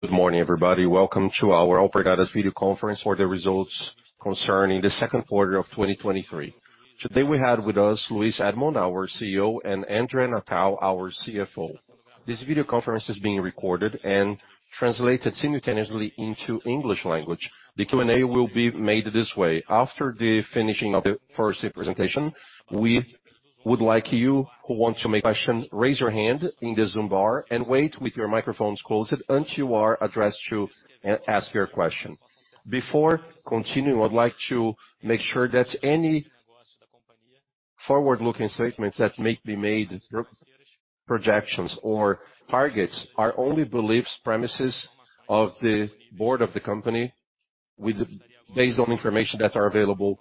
Good morning, everybody. Welcome to our Alpargatas Video conference for the results concerning the second quarter of 2023. Today, we have with us Luiz Edmond, our CEO, and André Natal, our CFO. This video conference is being recorded and translated simultaneously into English language. The Q&A will be made this way: after the finishing of the first presentation, we would like you who want to make question, raise your hand in the Zoom bar and wait with your microphones closed until you are addressed to ask your question. Before continuing, I'd like to make sure that any forward-looking statements that may be made, projections or targets, are only beliefs, premises of the board of the company with- based on information that are available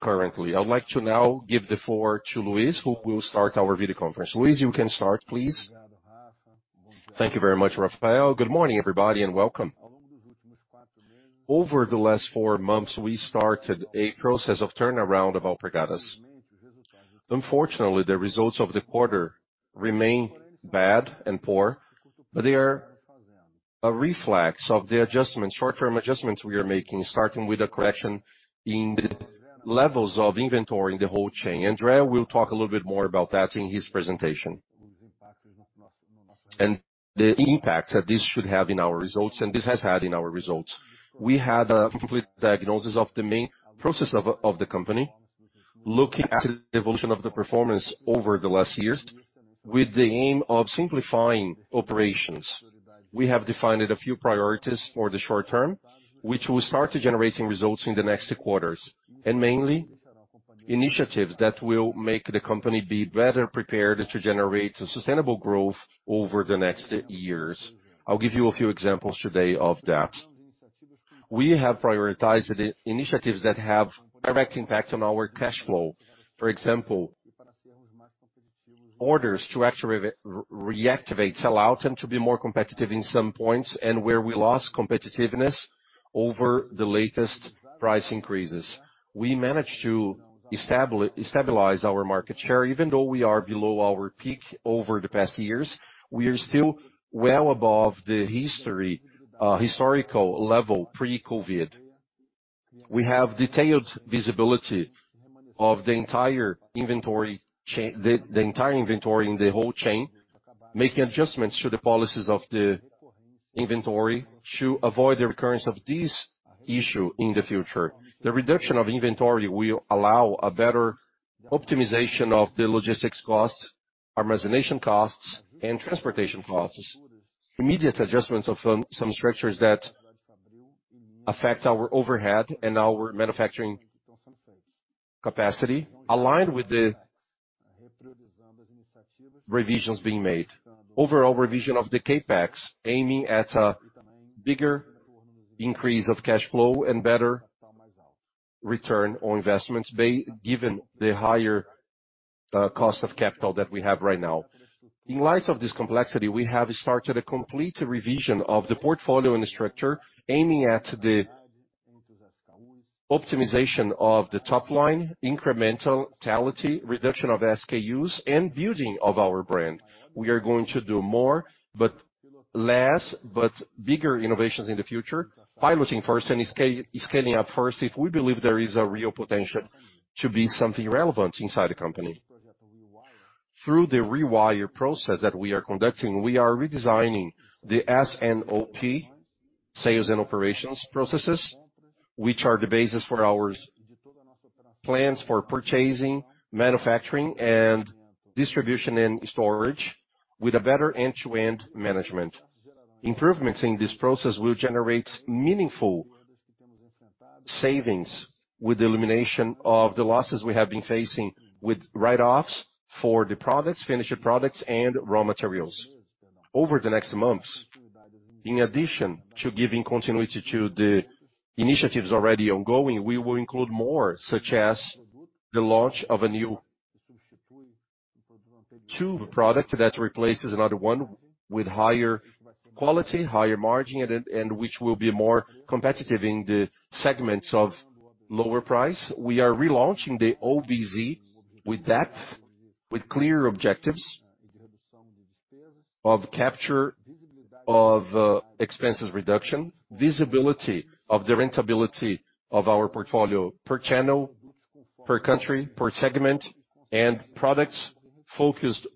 currently. I'd like to now give the floor to Luiz, who will start our video conference. Luiz, you can start, please. Thank you very much, Rafael. Good morning, everybody, and welcome. Over the last four months, we started a process of turnaround of Alpargatas. Unfortunately, the results of the quarter remain bad and poor. They are a reflex of the adjustments, short-term adjustments we are making, starting with a correction in the levels of inventory in the whole chain. André will talk a little bit more about that in his presentation. The impact that this should have in our results, and this has had in our results. We had a complete diagnosis of the main process of the company, looking at the evolution of the performance over the last years with the aim of simplifying operations. We have defined a few priorities for the short term, which will start generating results in the next quarters and mainly initiatives that will make the company be better prepared to generate sustainable growth over the next years. I'll give you a few examples today of that. We have prioritized the initiatives that have direct impact on our cash flow. For example, orders to reactivate, sell out, and to be more competitive in some points and where we lost competitiveness over the latest price increases. We managed to stabilize our market share. Even though we are below our peak over the past years, we are still well above the history, historical level pre-COVID. We have detailed visibility of the entire inventory chain, the, the entire inventory in the whole chain, making adjustments to the policies of the inventory to avoid the recurrence of this issue in the future. The reduction of inventory will allow a better optimization of the logistics costs, our margination costs, and transportation costs. Immediate adjustments of some structures that affect our overhead and our manufacturing capacity, aligned with the revisions being made. Overall revision of the CapEx, aiming at a bigger increase of cash flow and better return on investments, given the higher cost of capital that we have right now. In light of this complexity, we have started a complete revision of the portfolio and structure, aiming at the optimization of the top line, incremental totality, reduction of SKUs, and building of our brand. We are going to do more, but less, but bigger innovations in the future, piloting first and scaling up first, if we believe there is a real potential to be something relevant inside the company. Through the Rewire process that we are conducting, we are redesigning the S&OP, sales and operations processes, which are the basis for our plans for purchasing, manufacturing, and distribution and storage, with a better end-to-end management. Improvements in this process will generate meaningful savings with the elimination of the losses we have been facing, with write-offs for the products, finished products, and raw materials. Over the next months, in addition to giving continuity to the initiatives already ongoing, we will include more, such as the launch of a new tube product that replaces another one with higher quality, higher margin, and which will be more competitive in the segments of lower price. We are relaunching the OBZ with depth, with clear objectives of capture, of expenses reduction, visibility of the rentability of our portfolio per channel, per country, per segment, and products focused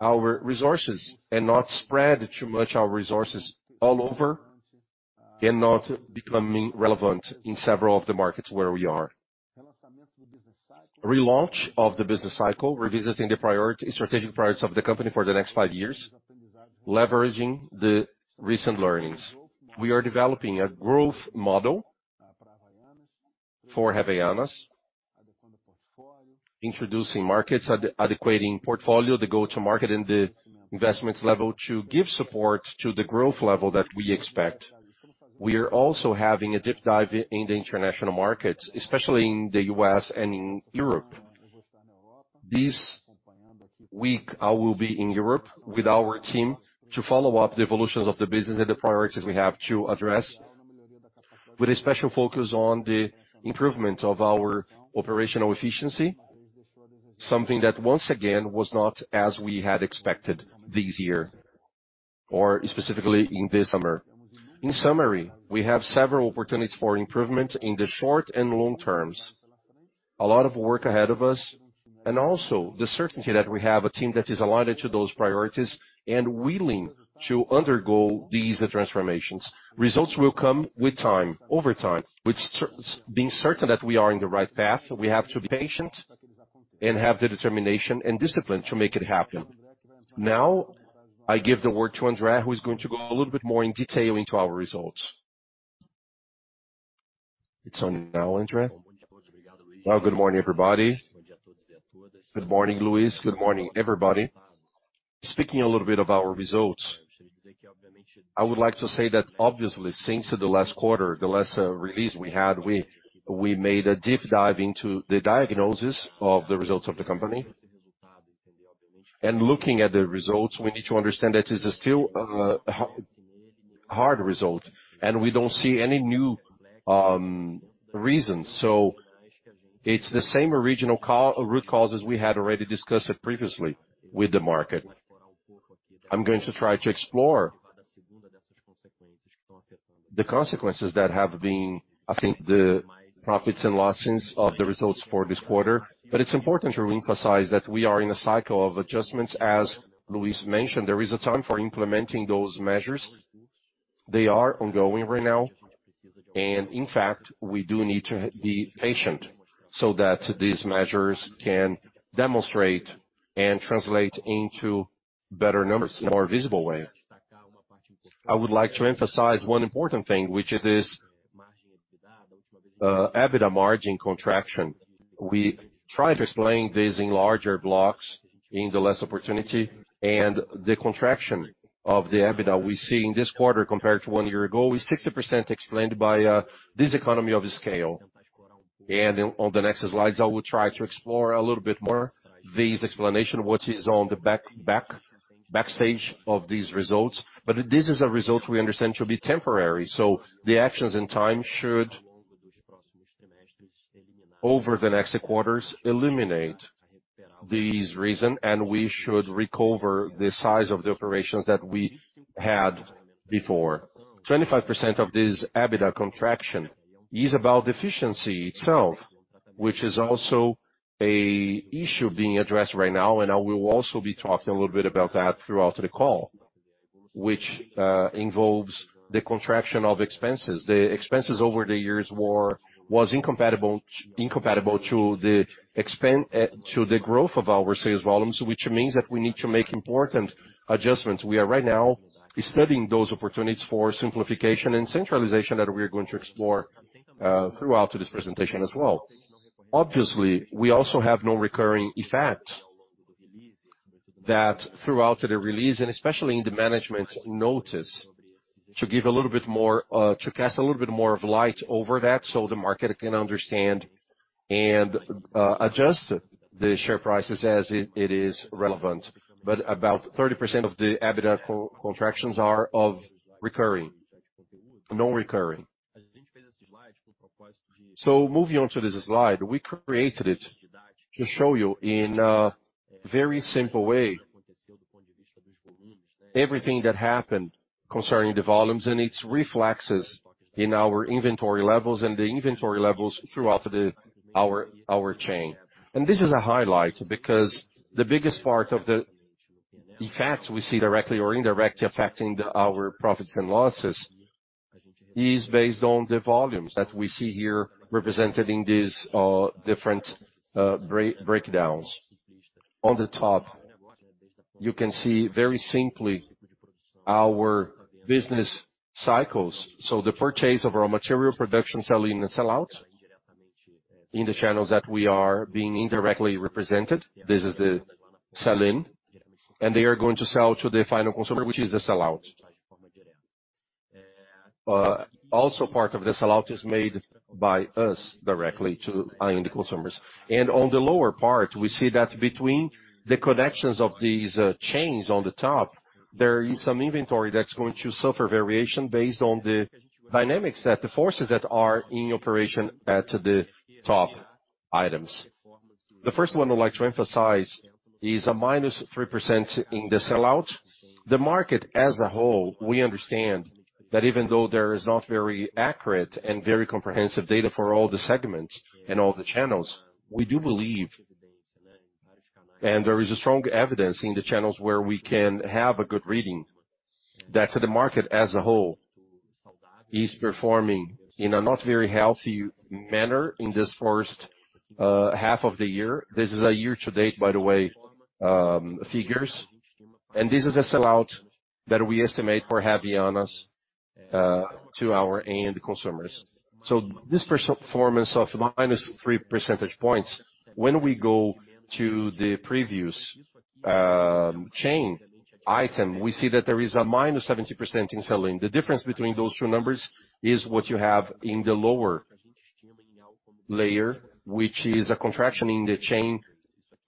on our resources, and not spread too much our resources all over and not becoming relevant in several of the markets where we are. Relaunch of the business cycle, revisiting the priority, strategic priorities of the company for the next 5 years, leveraging the recent learnings. We are developing a growth model for Havaianas, introducing markets, adequating portfolio, the go-to-market and the investments level, to give support to the growth level that we expect. We are also having a deep dive in the international markets, especially in the US and in Europe. This week, I will be in Europe with our team to follow up the evolutions of the business and the priorities we have to address. with a special focus on the improvement of our operational efficiency, something that once again, was not as we had expected this year, or specifically in this summer. In summary, we have several opportunities for improvement in the short and long terms. A lot of work ahead of us, and also the certainty that we have a team that is aligned to those priorities, and willing to undergo these transformations. Results will come with time, over time, which being certain that we are in the right path, we have to be patient, and have the determination and discipline to make it happen. Now, I give the word to Andre, who is going to go a little bit more in detail into our results. It's on now, André. Well, good morning, everybody. Good morning, Luiz. Good morning, everybody. Speaking a little bit of our results, I would like to say that obviously, since the last quarter, the last release we had, we, we made a deep dive into the diagnosis of the results of the company. Looking at the results, we need to understand that is still a h- hard result, and we don't see any new reasons. It's the same original root causes we had already discussed previously with the market. I'm going to try to explore the consequences that have been, I think, the profits and losses of the results for this quarter. It's important to re-emphasize that we are in a cycle of adjustments, as Luiz mentioned. There is a time for implementing those measures. They are ongoing right now, and in fact, we do need to be patient, so that these measures can demonstrate and translate into better numbers in a more visible way. I would like to emphasize one important thing, which is this, EBITDA margin contraction. We tried to explain this in larger blocks in the last opportunity. The contraction of the EBITDA we see in this quarter compared to one year ago, is 60% explained by, this economy of scale. On the next slides, I will try to explore a little bit more this explanation, what is on the backstage of these results. This is a result we understand to be temporary, so the actions and time should, over the next quarters, eliminate this reason, and we should recover the size of the operations that we had before. 25% of this EBITDA contraction is about efficiency itself, which is also a issue being addressed right now, and I will also be talking a little bit about that throughout the call, which involves the contraction of expenses. The expenses over the years was incompatible, incompatible to the growth of our sales volumes, which means that we need to make important adjustments. We are right now studying those opportunities for simplification and centralization that we are going to explore throughout this presentation as well. Obviously, we also have no recurring effect, that throughout the release, and especially in the management notice, to give a little bit more to cast a little bit more of light over that so the market can understand and adjust the share prices as it, it is relevant. About 30% of the EBITDA co-contractions are of recurring-- non-recurring. Moving on to this slide, we created it to show you in a very simple way, everything that happened concerning the volumes and its reflexes in our inventory levels, and the inventory levels throughout our chain. This is a highlight, because the biggest part of the effects we see directly or indirectly affecting our profits and losses, is based on the volumes that we see here, represented in these different breakdowns. On the top, you can see very simply our business cycles. The purchase of our material production, sell-in and sell-out, in the channels that we are being indirectly represented, this is the sell-in, and they are going to sell to the final consumer, which is the sell-out. Also part of the sell-out is made by us directly to end consumers. On the lower part, we see that between the connections of these chains on the top, there is some inventory that's going to suffer variation based on the dynamics that the forces that are in operation at the top items. The first one I'd like to emphasize is a -3% in the sell-out. The market as a whole, we understand that even though there is not very accurate and very comprehensive data for all the segments and all the channels, we do believe, and there is a strong evidence in the channels where we can have a good reading, that the market as a whole, is performing in a not very healthy manner in this first half of the year. This is a year-to-date, by the way, figures. This is a sell-out that we estimate for Havaianas to our end consumers. This performance of negative three percentage points, when we go to the previous chain item, we see that there is a -70% in sell-in. The difference between those two numbers is what you have in the lower layer, which is a contraction in the chain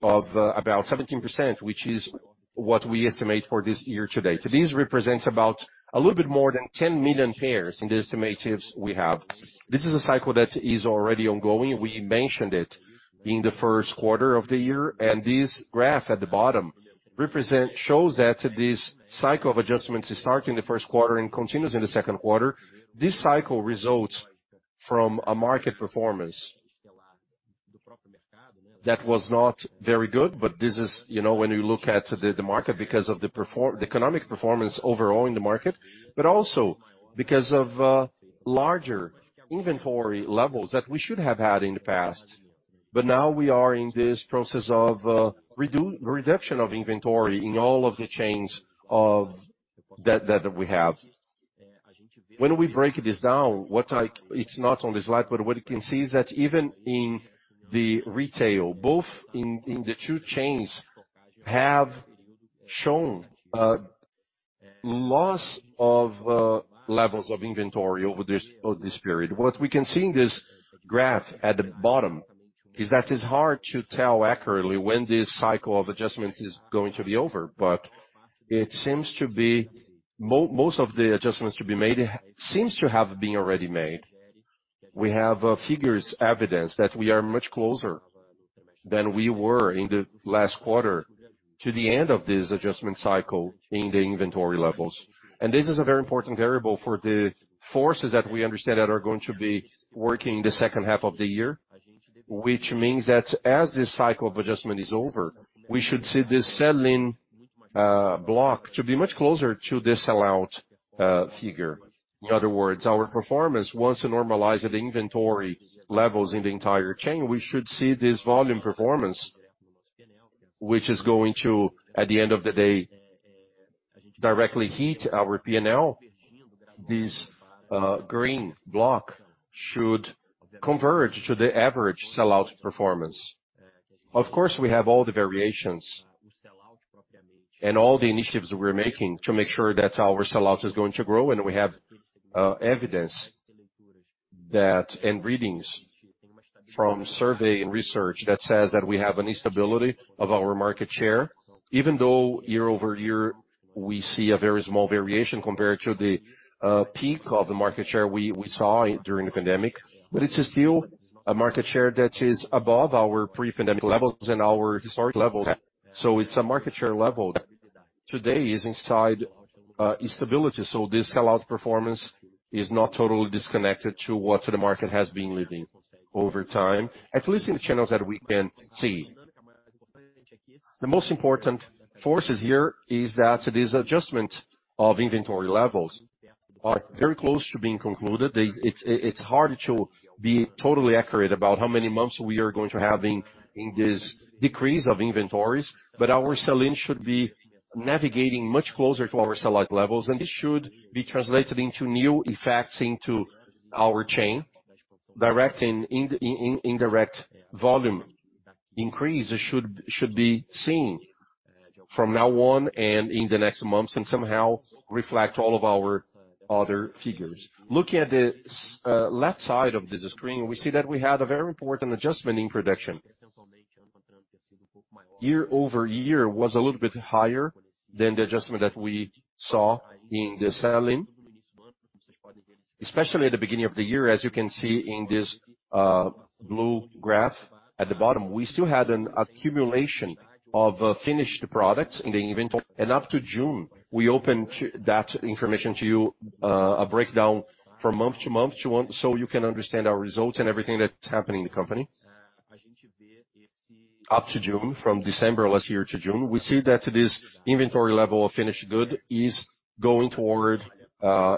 of about 17%, which is what we estimate for this year to date. This represents about a little bit more than 10 million pairs in the estimates we have. This is a cycle that is already ongoing. We mentioned it in the first quarter of the year. This graph at the bottom shows that this cycle of adjustments starts in the first quarter and continues in the second quarter. This cycle results from a market performance that was not very good, but this is, you know, when you look at the, the market because of the economic performance overall in the market, but also because of larger inventory levels that we should have had in the past. Now we are in this process of reduction of inventory in all of the chains of that, that we have. When we break this down, it's not on the slide, but what you can see is that even in the retail, both in, in the two chains have shown loss of levels of inventory over this, over this period. What we can see in this graph at the bottom is that it's hard to tell accurately when this cycle of adjustments is going to be over, but it seems to be most of the adjustments to be made, seems to have been already made. We have figures, evidence that we are much closer than we were in the last quarter to the end of this adjustment cycle in the inventory levels. This is a very important variable for the forces that we understand that are going to be working in the second half of the year, which means that as this cycle of adjustment is over, we should see this sell-in block to be much closer to the sell-out figure. In other words, our performance, once normalized at the inventory levels in the entire chain, we should see this volume performance, which is going to, at the end of the day, directly hit our P&L. This green block should converge to the average sell-out performance. Of course, we have all the variations and all the initiatives that we're making to make sure that our sell-out is going to grow, and we have evidence that, and readings from survey and research that says that we have an instability of our market share. Even though year-over-year, we see a very small variation compared to the peak of the market share we, we saw during the pandemic, but it's still a market share that is above our pre-pandemic levels and our historic levels. It's a market share level. Today is inside instability, so this sell-out performance is not totally disconnected to what the market has been living over time, at least in the channels that we can see. The most important forces here is that this adjustment of inventory levels are very close to being concluded. It's, it's hard to be totally accurate about how many months we are going to have in, in this decrease of inventories, but our sell-in should be navigating much closer to our sell-out levels, and this should be translated into new effects into our chain. Direct and in, in, indirect volume increase should, should be seen from now on and in the next months, and somehow reflect all of our other figures. Looking at the left side of this screen, we see that we had a very important adjustment in production. year-over-year was a little bit higher than the adjustment that we saw in the sell-in, especially at the beginning of the year, as you can see in this blue graph at the bottom. We still had an accumulation of finished products in the inventory. Up to June, we opened that information to you a breakdown from month to month to month, so you can understand our results and everything that's happening in the company. Up to June, from December of last year to June, we see that this inventory level of finished good is going toward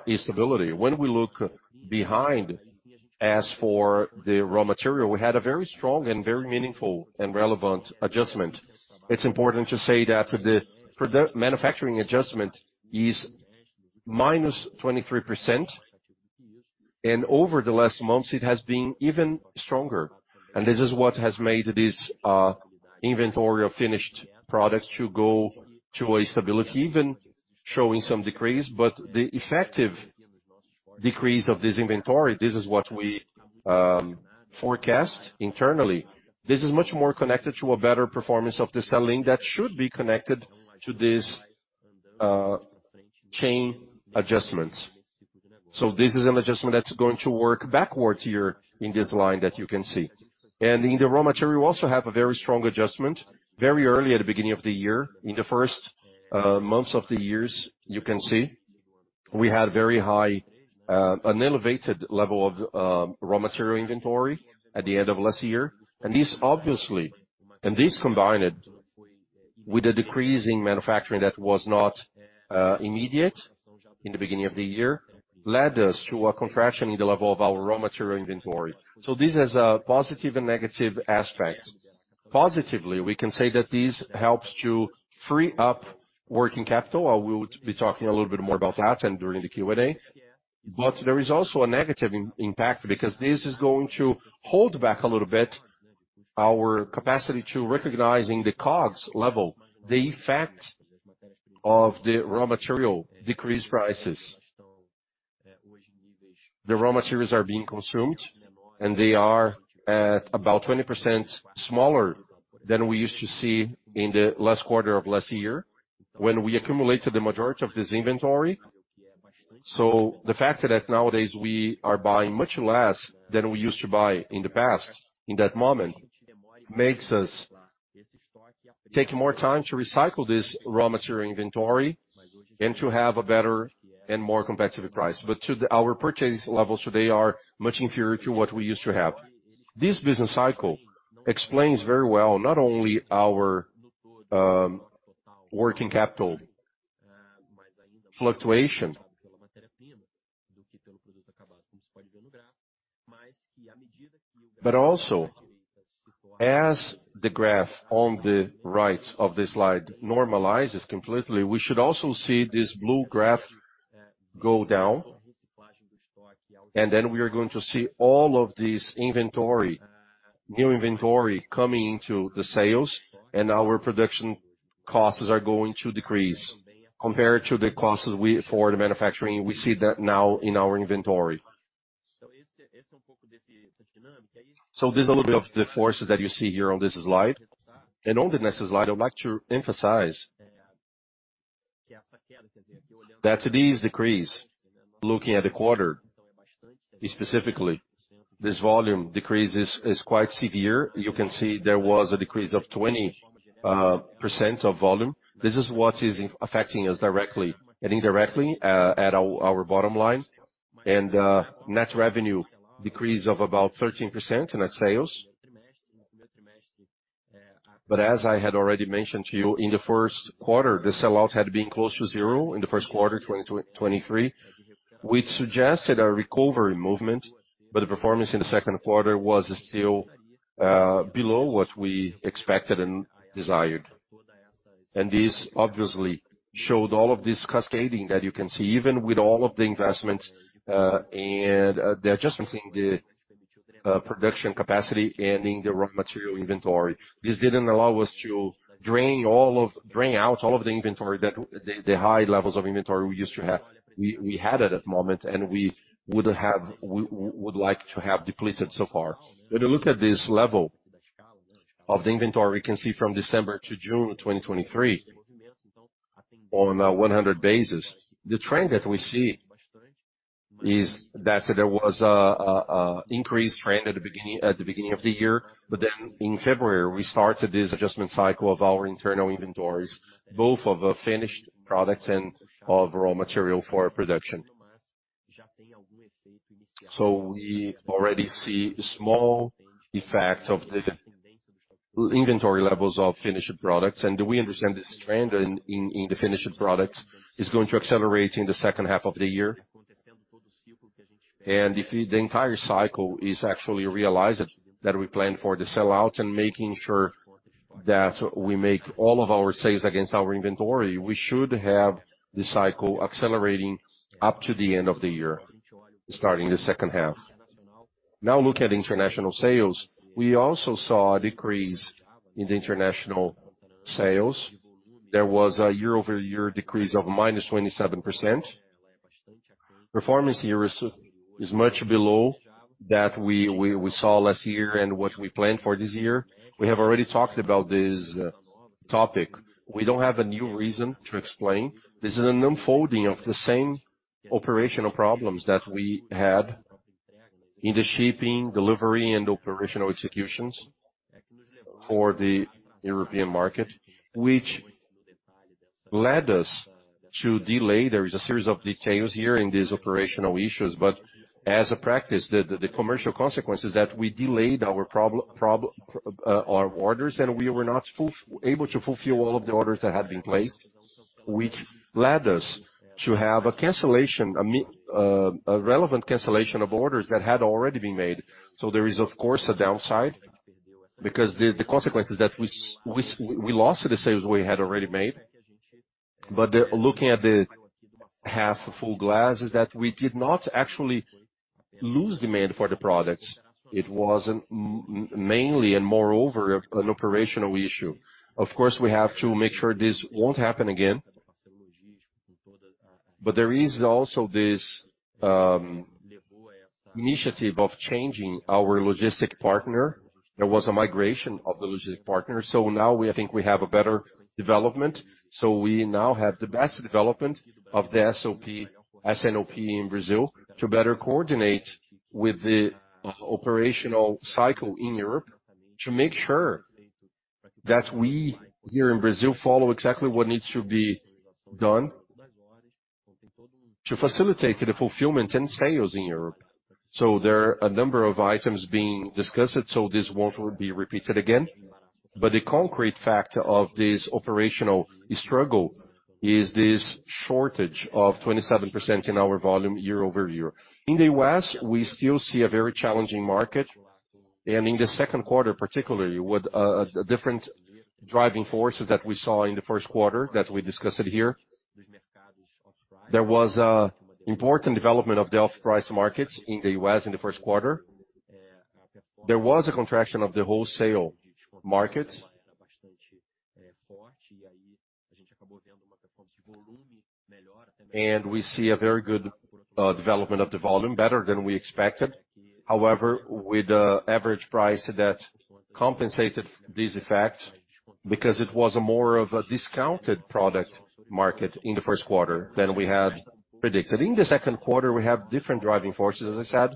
instability. When we look behind, as for the raw material, we had a very strong and very meaningful and relevant adjustment. It's important to say that the manufacturing adjustment is minus 23%, and over the last months, it has been even stronger. This is what has made this inventory of finished products to go to a stability, even showing some decrees. The effective decrease of this inventory, this is what we forecast internally. This is much more connected to a better performance of the selling that should be connected to this chain adjustment. This is an adjustment that's going to work backwards here in this line that you can see. In the raw material, we also have a very strong adjustment. Very early at the beginning of the year, in the first months of the years, you can see we had very high, an elevated level of raw material inventory at the end of last year. This, obviously, and this, combined with a decrease in manufacturing that was not immediate in the beginning of the year, led us to a contraction in the level of our raw material inventory. This is a positive and negative aspect. Positively, we can say that this helps to free up working capital. I will be talking a little bit more about that and during the Q&A. There is also a negative impact, because this is going to hold back a little bit our capacity to recognizing the COGS level, of the raw material, decreased prices. The raw materials are being consumed, and they are at about 20% smaller than we used to see in the last quarter of last year, when we accumulated the majority of this inventory. The fact that nowadays we are buying much less than we used to buy in the past, in that moment, makes us take more time to recycle this raw material inventory and to have a better and more competitive price. Our purchase levels today are much inferior to what we used to have. This business cycle explains very well, not only our working capital fluctuation, but also, as the graph on the right of this slide normalizes completely, we should also see this blue graph go down, and then we are going to see all of this inventory, new inventory, coming into the sales, and our production costs are going to decrease compared to the costs for the manufacturing, we see that now in our inventory. There's a little bit of the forces that you see here on this slide. On the next slide, I'd like to emphasize that today's decrease, looking at the quarter specifically, this volume decrease is, is quite severe. You can see there was a decrease of 20% of volume. This is what is affecting us directly and indirectly, at our, our bottom line. Net revenue decrease of about 13% in net sales. As I had already mentioned to you, in the first quarter, the sell-out had been close to zero in the first quarter, 2023, which suggested a recovery movement, but the performance in the second quarter was still below what we expected and desired. This obviously showed all of this cascading that you can see, even with all of the investments, and the adjustments in the production capacity and in the raw material inventory. This didn't allow us to drain all of drain out all of the inventory that the high levels of inventory we used to have. We, we had at that moment, and we would have, would like to have depleted so far. When you look at this level of the inventory, we can see from December to June 2023, on 100 basis, the trend that we see is that there was a increased trend at the beginning, at the beginning of the year, but then in February, we started this adjustment cycle of our internal inventories, both of the finished products and of raw material for our production. We already see small effects of the inventory levels of finished products, and we understand this trend in, in, in the finished products is going to accelerate in the second half of the year. If the, the entire cycle is actually realized, that we plan for the sell-out and making sure that we make all of our sales against our inventory, we should have the cycle accelerating up to the end of the year, starting the second half. Now, look at international sales. We also saw a decrease in the international sales. There was a year-over-year decrease of -27%. Performance here is much below that we saw last year and what we planned for this year. We have already talked about this topic. We don't have a new reason to explain. This is an unfolding of the same operational problems that we had in the shipping, delivery, and operational executions for the European market, which led us to delay. There is a series of details here in these operational issues. As a practice, the, the commercial consequences that we delayed our probl- prob- our orders, and we were not ful- able to fulfill all of the orders that had been placed, which led us to have a cancellation, a mi- a relevant cancellation of orders that had already been made. There is, of course, a downside, because the, the consequences that we s- we s- we lost the sales we had already made. Looking at the half full glass, is that we did not actually lose demand for the products. It was m-m- mainly and moreover, an operational issue. Of course, we have to make sure this won't happen again. There is also this initiative of changing our logistic partner. There was a migration of the logistic partner. Now we think we have a better development. We now have the best development of the S&OP, S&OP in Brazil, to better coordinate with the operational cycle in Europe, to make sure that we, here in Brazil, follow exactly what needs to be done to facilitate the fulfillment and sales in Europe. There are a number of items being discussed, so this won't be repeated again. The concrete fact of this operational struggle is this shortage of 27% in our volume year-over-year. In the U.S., we still see a very challenging market, and in the second quarter, particularly, with different driving forces that we saw in the first quarter, that we discussed it here. There was a important development of the off-price markets in the U.S. in the first quarter. There was a contraction of the wholesale market. We see a very good development of the volume, better than we expected. However, with the average price that compensated this effect, because it was a more of a discounted product market in the first quarter than we had predicted. In the second quarter, we have different driving forces. As I said,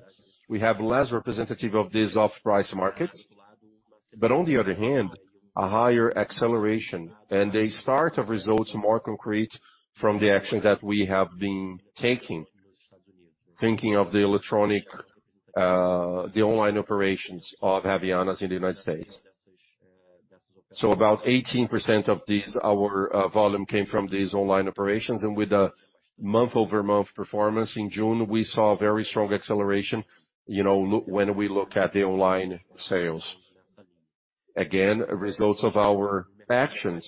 we have less representative of this off-price markets. On the other hand, a higher acceleration and a start of results more concrete from the actions that we have been taking, thinking of the electronic, the online operations of Havaianas in the United States. About 18% of these, our volume came from these online operations, and with the month-over-month performance in June, we saw a very strong acceleration, you know, when we look at the online sales. Again, results of our actions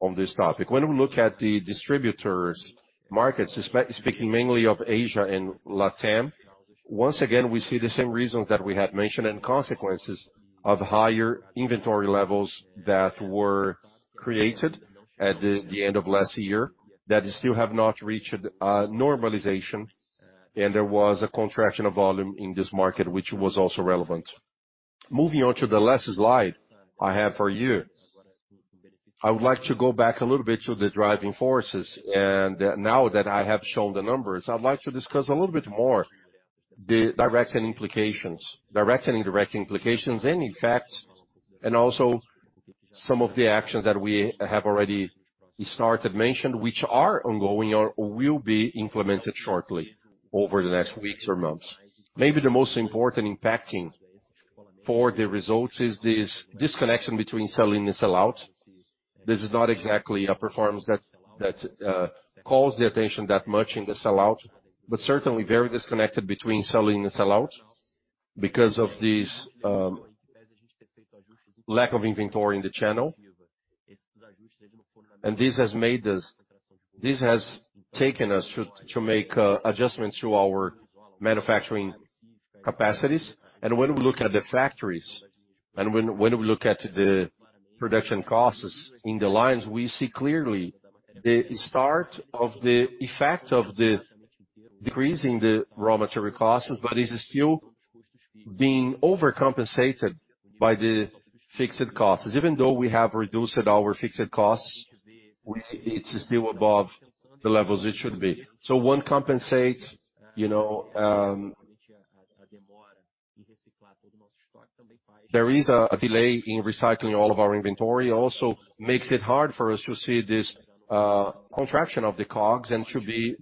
on this topic. When we look at the distributors markets, speaking mainly of Asia and Latam, once again, we see the same reasons that we had mentioned, and consequences of higher inventory levels that were created at the end of last year, that still have not reached normalization, and there was a contraction of volume in this market, which was also relevant. Moving on to the last slide I have for you. I would like to go back a little bit to the driving forces, and now that I have shown the numbers, I'd like to discuss a little bit more the direct and implications. Direct and indirect implications, and in fact, and also some of the actions that we have already started mentioned, which are ongoing or will be implemented shortly over the next weeks or months. Maybe the most important impacting for the results is this disconnection between sell-in and sell-out. This is not exactly a performance that, that calls the attention that much in the sell-out, but certainly very disconnected between sell-in and sell-out because of this lack of inventory in the channel. This has taken us to, to make adjustments to our manufacturing capacities. When we look at the factories, and when we look at the production costs in the lines, we see clearly the start of the effect of the decrease in the raw material costs, but it's still being overcompensated by the fixed costs. Even though we have reduced our fixed costs, it's still above the levels it should be. One compensates, you know. There is a delay in recycling all of our inventory. Also makes it hard for us to see this contraction of the COGS, and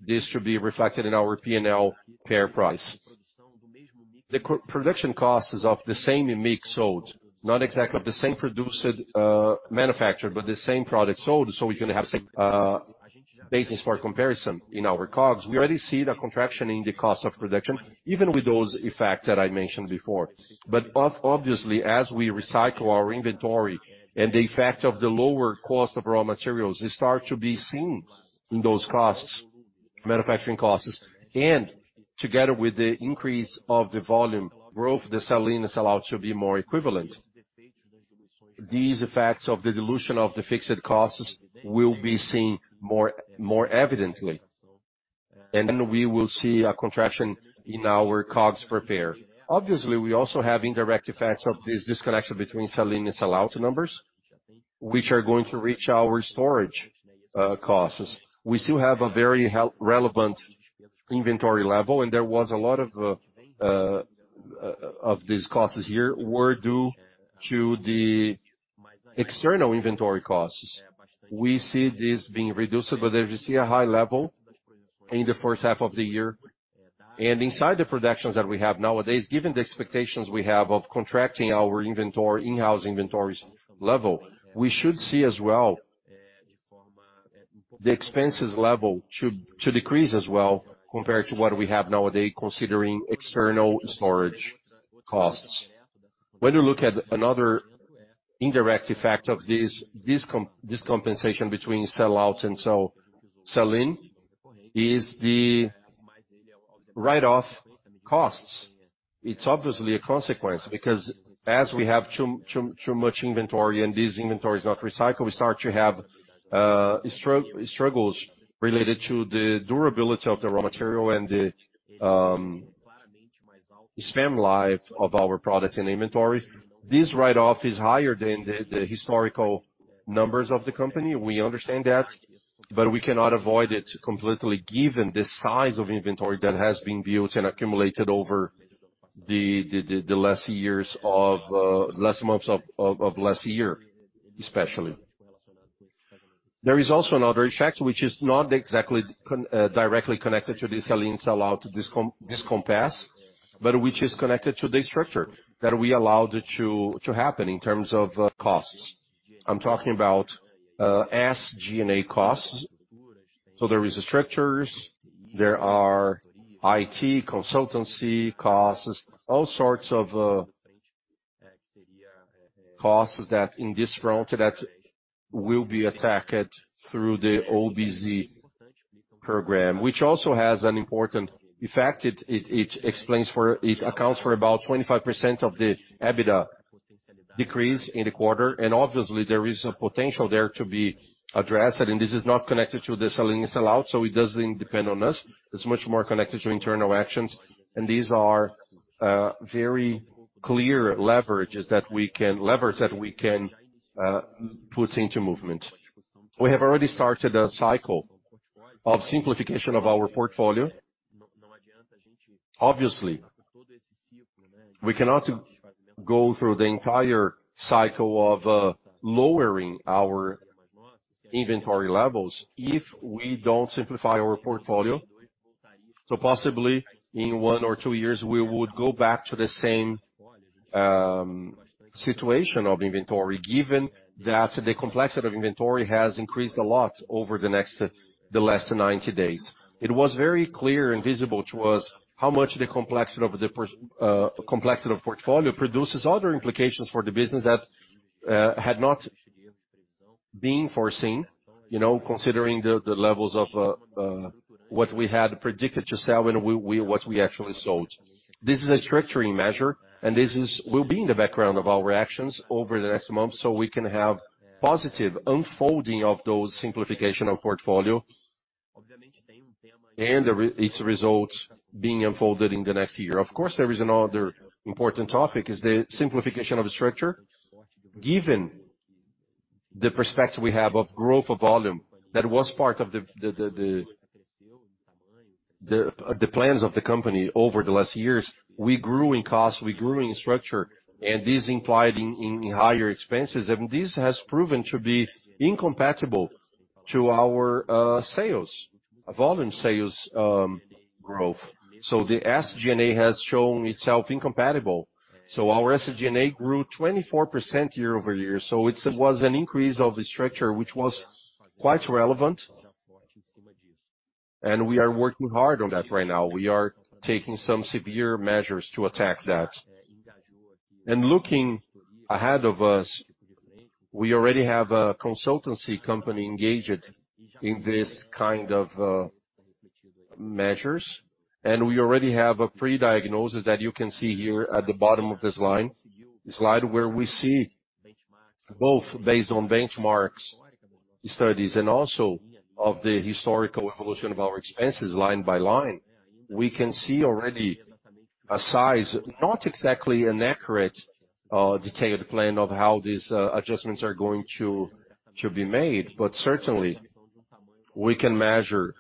this should be reflected in our P&L pair price. The production costs is of the same mix sold, not exactly the same produced, manufacturer, but the same product sold, so we're gonna have the same basis for comparison in our COGS. We already see the contraction in the cost of production, even with those effects that I mentioned before. Obviously, as we recycle our inventory and the effect of the lower cost of raw materials, it start to be seen in those costs, manufacturing costs, and together with the increase of the volume growth, the sell-in and sell out to be more equivalent. These effects of the dilution of the fixed costs will be seen more, more evidently, we will see a contraction in our COGS per pair. Obviously, we also have indirect effects of this disconnection between sell-in and sell out numbers, which are going to reach our storage costs. We still have a very relevant inventory level, there was a lot of these costs here were due to the external inventory costs. We see this being reduced, but we see a high level in the first half of the year. Inside the productions that we have nowadays, given the expectations we have of contracting our inventory, in-house inventories level, we should see as well, the expenses level to decrease as well, compared to what we have nowadays, considering external storage costs. When you look at another indirect effect of this compensation between sell-out and sell-in, is the write-off costs. It's obviously a consequence, because as we have too, too, too much inventory and this inventory is not recycled, we start to have struggles related to the durability of the raw material and the spam life of our products in inventory. This write-off is higher than the historical numbers of the company. We understand that, but we cannot avoid it completely given the size of inventory that has been built and accumulated over the, the, the, the last years of last months of, of, of last year, especially. There is also another effect, which is not exactly con- directly connected to the sell-in, sell-out discom- discompass, but which is connected to the structure that we allowed to, to happen in terms of costs. I'm talking about SG&A costs. There is structures, there are IT, consultancy costs, all sorts of costs that in this front, that will be attacked through the OBZ-... program, which also has an important effect. It accounts for about 25% of the EBITDA decrease in the quarter. Obviously, there is a potential there to be addressed. This is not connected to the selling sellout, so it doesn't depend on us. It's much more connected to internal actions. These are very clear leverages that we can- levers that we can put into movement. We have already started a cycle of simplification of our portfolio. Obviously, we cannot go through the entire cycle of lowering our inventory levels if we don't simplify our portfolio. Possibly, in one or two years, we would go back to the same situation of inventory, given that the complexity of inventory has increased a lot over the next- the last 90 days. It was very clear and visible to us how much the complexity of portfolio produces other implications for the business that had not been foreseen, you know, considering the levels of what we had predicted to sell and we what we actually sold. This is a structuring measure, and this will be in the background of our actions over the next months, so we can have positive unfolding of those simplification of portfolio and its results being unfolded in the next year. Of course, there is another important topic, is the simplification of the structure. Given the perspective we have of growth of volume, that was part of the, the, the, the, the, the plans of the company over the last years. We grew in cost, we grew in structure, and this implied in, in higher expenses, and this has proven to be incompatible to our sales, volume sales, growth. The SG&A has shown itself incompatible. Our SG&A grew 24% year-over-year, so it's was an increase of the structure, which was quite relevant, and we are working hard on that right now. We are taking some severe measures to attack that. Looking ahead of us, we already have a consultancy company engaged in this kind of measures, and we already have a pre-diagnosis that you can see here at the bottom of this line, slide, where we see both based on benchmarks, studies, and also of the historical evolution of our expenses line by line. We can see already a size, not exactly an accurate, detailed plan of how these adjustments are going to, to be made, but certainly, we can measure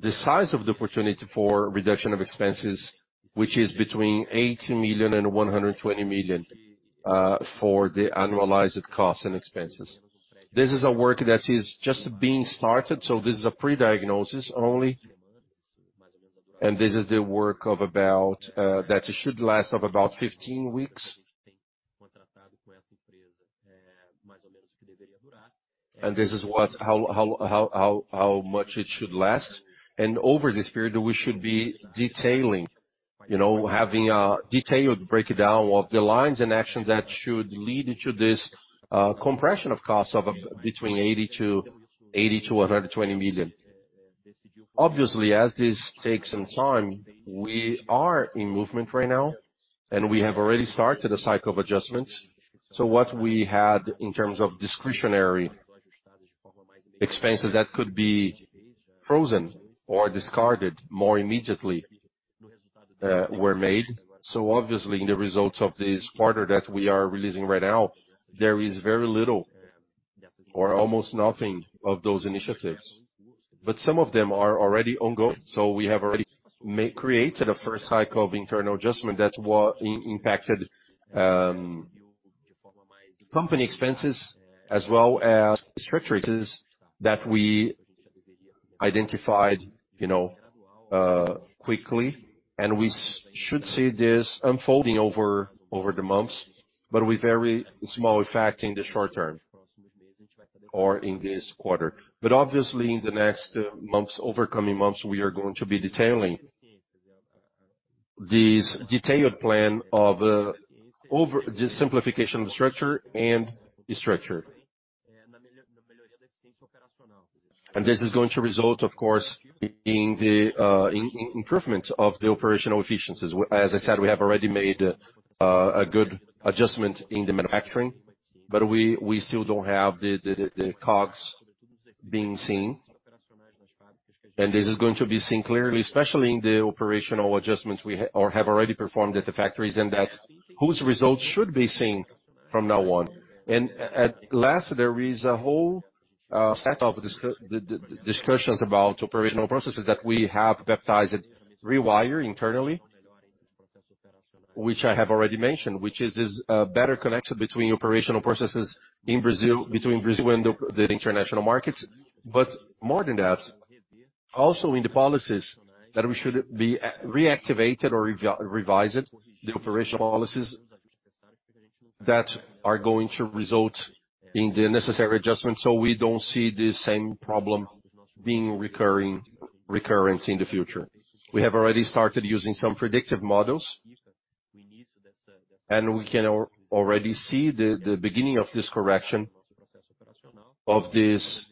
the size of the opportunity for reduction of expenses, which is between $80 million and $120 million for the annualized costs and expenses. This is a work that is just being started, so this is a pre-diagnosis only, and this is the work of about, that should last of about 15 weeks. And this is what, how, how, how, how, how much it should last. And over this period, we should be detailing, you know, having a detailed breakdown of the lines and actions that should lead to this compression of costs of between 80 to, $80 million-$120 million. Obviously, as this takes some time, we are in movement right now, and we have already started a cycle of adjustments. What we had in terms of discretionary expenses that could be frozen or discarded more immediately, were made. Obviously, in the results of this quarter that we are releasing right now, there is very little or almost nothing of those initiatives. Some of them are already ongoing, we have already created a first cycle of internal adjustment that impacted company expenses as well as structures that we identified, you know, quickly, and we should see this unfolding over, over the months, but with very small effect in the short term or in this quarter. Obviously, in the next months, over coming months, we are going to be detailing this detailed plan of over the simplification of the structure and the structure. This is going to result, of course, in the improvement of the operational efficiencies. As I said, we have already made a good adjustment in the manufacturing, but we, we still don't have the, the, the, the COGS being seen. This is going to be seen clearly, especially in the operational adjustments we or have already performed at the factories, and that whose results should be seen from now on. At last, there is a whole set of discussions about operational processes that we have baptized Rewire internally, which I have already mentioned, which is this better connection between operational processes in Brazil, between Brazil and the international markets. More than that, also in the policies that we should be reactivated or revised, the operational policies that are going to result in the necessary adjustments, so we don't see the same problem being recurring, recurrent in the future. We have already started using some predictive models. We can already see the beginning of this correction, of this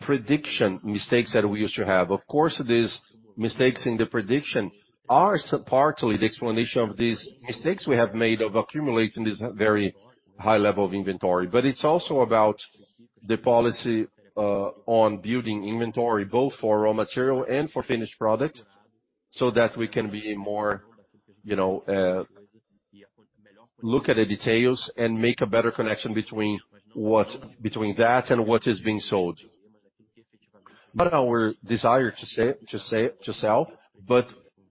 prediction mistakes that we used to have. Of course, these mistakes in the prediction are partly the explanation of these mistakes we have made of accumulating this very high level of inventory. It's also about the policy on building inventory, both for raw material and for finished product, so that we can be more, you know, look at the details and make a better connection between that and what is being sold. Our desire to sell, to sell, to sell, but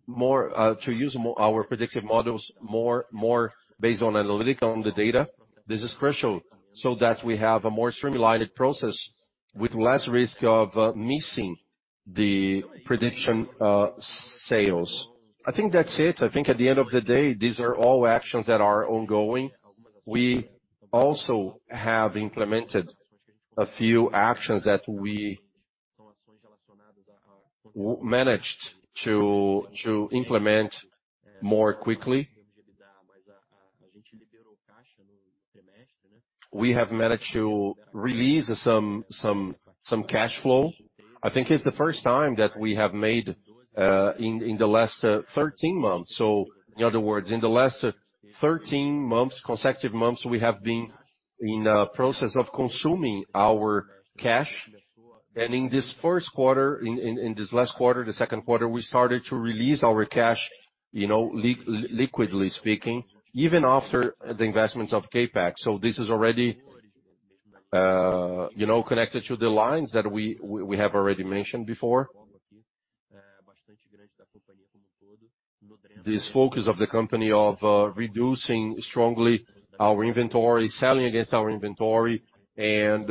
more, to use more our predictive models, more, more based on analytic on the data, this is crucial, so that we have a more streamlined process with less risk of missing the prediction sales. I think that's it. I think at the end of the day, these are all actions that are ongoing. We also have implemented a few actions that we managed to implement more quickly. We have managed to release some cash flow. I think it's the 1st time that we have made, in, in the last 13 months. In other words, in the last 13 months, consecutive months, we have been in a process of consuming our cash. In this 1st quarter, in, in, in this last quarter, the 2nd quarter, we started to release our cash, you know, liquidly speaking, even after the investments of CapEx. This is already, you know, connected to the lines that we, we, we have already mentioned before. This focus of the company of reducing strongly our inventory, selling against our inventory, and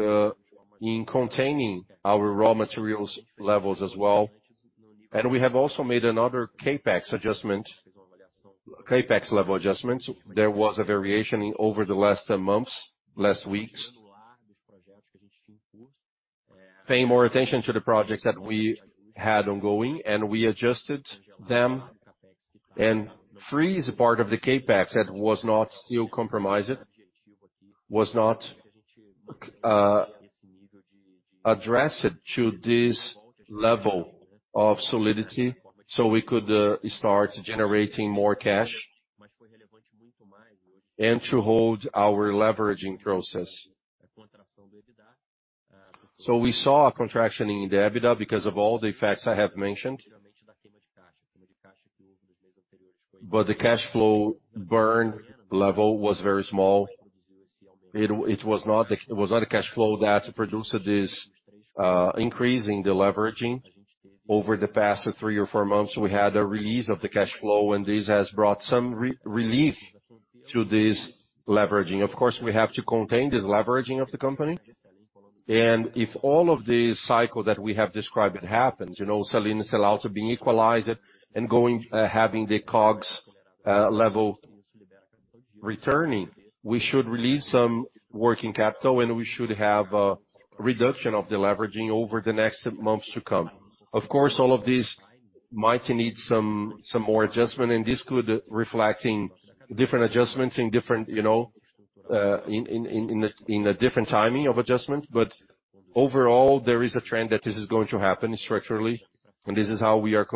in containing our raw materials levels as well. We have also made another CapEx adjustment, CapEx level adjustments. There was a variation in over the last 10 months, last weeks. Paying more attention to the projects that we had ongoing, we adjusted them and freeze part of the CapEx that was not still compromised, was not addressed to this level of solidity, we could start generating more cash and to hold our leveraging process. We saw a contraction in the EBITDA because of all the effects I have mentioned. The cash flow burn level was very small. It was not the, it was not a cash flow that produced this increase in the leveraging. Over the past three or four months, we had a release of the cash flow, and this has brought some re- relief to this leveraging. Of course, we have to contain this leveraging of the company. If all of the cycle that we have described, it happens, you know, selling and sell-out being equalized and going, having the COGS level returning, we should release some working capital, and we should have a reduction of the leveraging over the next months to come. Of course, all of this might need some, some more adjustment, and this could reflecting different adjustments in different, you know, in a different timing of adjustment. Overall, there is a trend that this is going to happen structurally, and this is how we are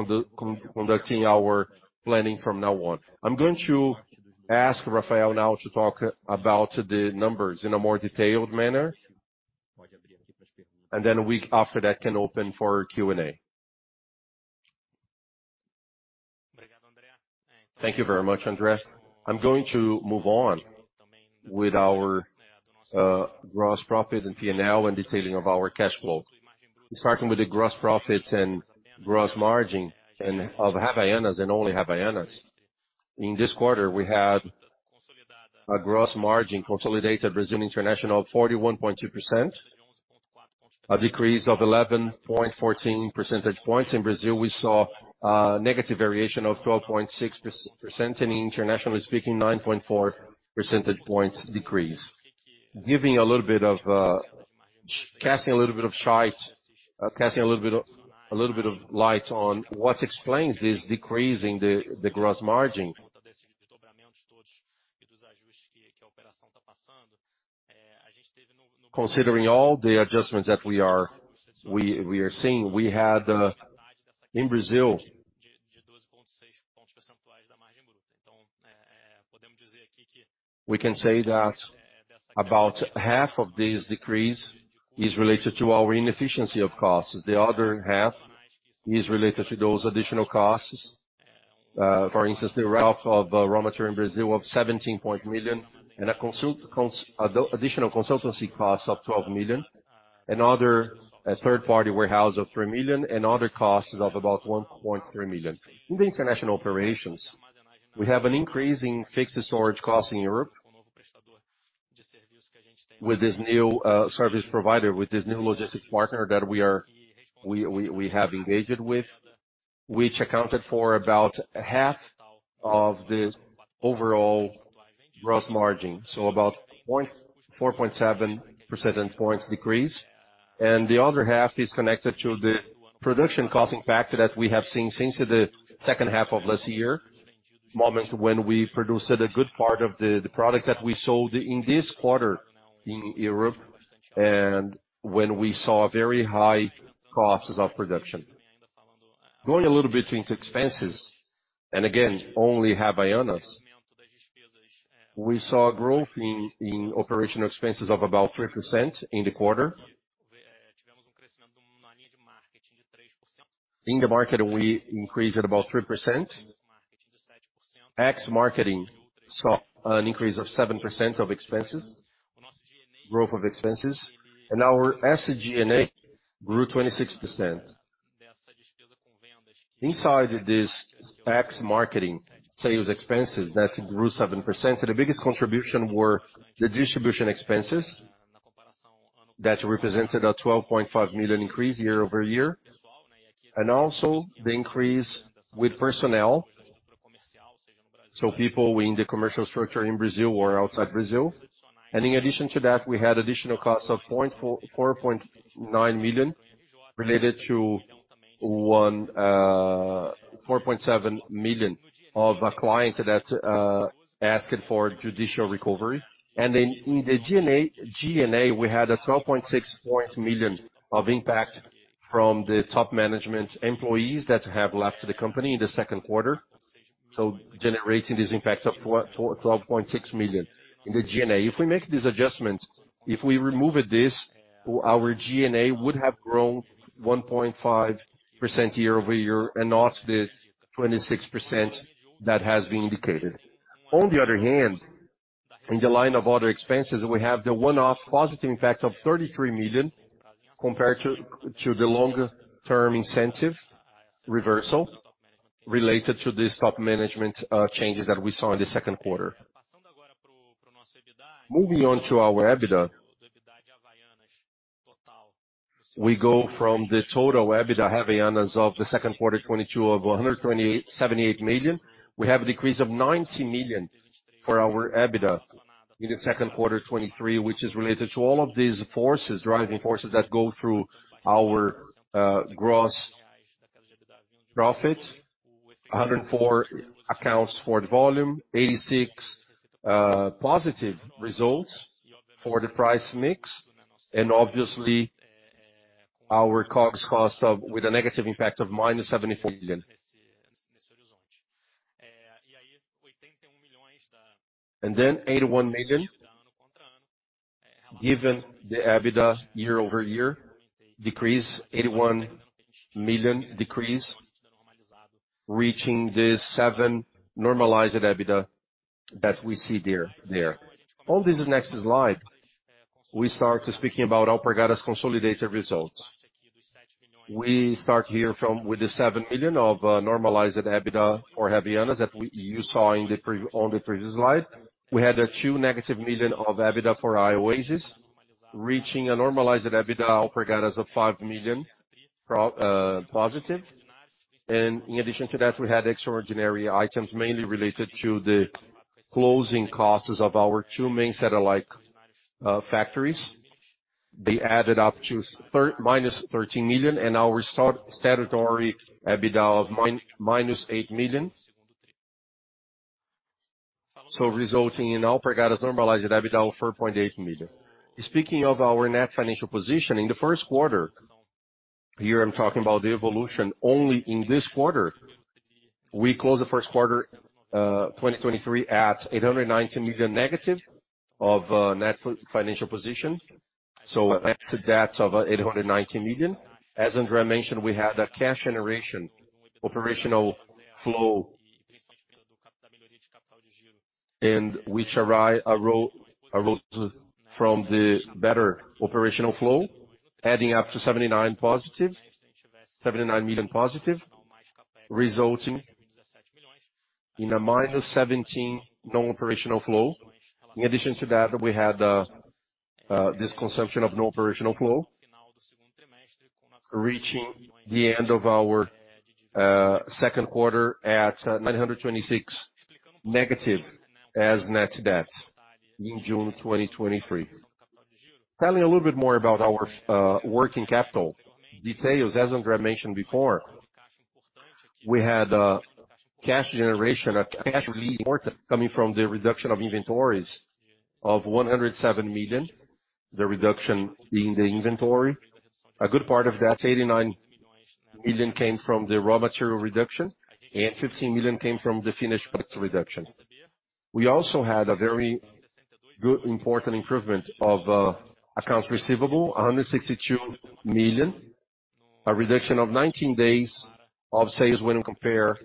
conducting our planning from now on. I'm going to ask Rafael now to talk about the numbers in a more detailed manner, and then we, after that, can open for Q&A. Thank you very much, André. I'm going to move on with our gross profit and P&L and detailing of our cash flow. Starting with the gross profit and gross margin and of Havaianas and only Havaianas. In this quarter, we had a gross margin consolidated Brazil International, 41.2%, a decrease of 11.14 percentage points. In Brazil, we saw a negative variation of 12.6%, and internationally speaking, 9.4 percentage points decrease. Giving a little bit of casting a little bit of shite, casting a little bit of light on what explains this decrease in the gross margin. Considering all the adjustments that we are seeing, we had in Brazil... We can say that about half of this decrease is related to our inefficiency of costs. The other half is related to those additional costs. For instance, the route of raw material in Brazil of 17 million, a additional consultancy cost of 12 million, another, a third-party warehouse of 3 million, and other costs of about 1.3 million. In the international operations, we have an increase in fixed storage costs in Europe with this new service provider, with this new logistics partner that we have engaged with, which accounted for about half of the overall gross margin, so about four point seven percent points decrease. The other half is connected to the production cost impact that we have seen since the second half of last year, moment when we produced a good part of the products that we sold in this quarter in Europe, and when we saw very high costs of production. Going a little bit into expenses, again, only have Havaianas. We saw a growth in, in operational expenses of about 3% in the quarter. In the market, we increased about 3%. X marketing saw an increase of 7% of expenses, growth of expenses, and our SG&A grew 26%. Inside this X marketing sales expenses, that grew 7%, the biggest contribution were the distribution expenses. That represented a $12.5 million increase year-over-year, and also the increase with personnel, so people in the commercial structure in Brazil or outside Brazil. In addition to that, we had additional costs of $4.9 million, related to one, $4.7 million of a client that asked for judicial recovery. In the G&A, G&A, we had a 12.6 million of impact from the top management employees that have left the company in the second quarter, so generating this impact of 12.6 million in the G&A. If we make this adjustment, if we removed this, our G&A would have grown 1.5% year-over-year and not the 26% that has been indicated. On the other hand, in the line of other expenses, we have the one-off positive impact of 33 million compared to, to the longer term incentive reversal related to this top management changes that we saw in the second quarter. Moving on to our EBITDA, we go from the total EBITDA Havaianas of the second quarter, 2022 of 127.8 million. We have a decrease of 90 million for our EBITDA in the second quarter, 2023, which is related to all of these forces, driving forces that go through our gross profit. 104 accounts for the volume, 86 positive results for the price mix, and obviously, our COGS with a negative impact of -74 million. BRL 81 million, given the EBITDA year-over-year decrease, 81 million decrease, reaching this 7 million normalized EBITDA that we see there. On this next slide, we start speaking about Alpargatas' consolidated results. We start here from, with the 7 million of normalized EBITDA for Havaianas that you saw on the previous slide. We had a -2 million of EBITDA for Ioasys reaching a normalized EBITDA Alpargatas of 5 million positive. In addition to that, we had extraordinary items, mainly related to the closing costs of our two main satellite factories. They added up to minus 13 million, and our statutory EBITDA of minus 8 million. Resulting in Alpargatas' normalized EBITDA of 4.8 million. Speaking of our net financial position, in the first quarter, here I'm talking about the evolution only in this quarter. We closed the first quarter 2023, at 819 million negative of net financial position, so a net debt of 819 million. As André Natal mentioned, we had a cash generation, operational flow, and which arose from the better operational flow, adding up to 79 million positive, resulting in a minus 17 non-operational flow. In addition to that, we had this consumption of non-operational flow, reaching the end of our Q2 at -926 million as net debt in June 2023. Telling a little bit more about our working capital details, as Andrea mentioned before, we had cash generation, a cash release coming from the reduction of inventories of 107 million, the reduction being the inventory. A good part of that, 89 million, came from the raw material reduction, 15 million came from the finished goods reduction. We also had a very good, important improvement of accounts receivable, 162 million, a reduction of 19 days of sales when compared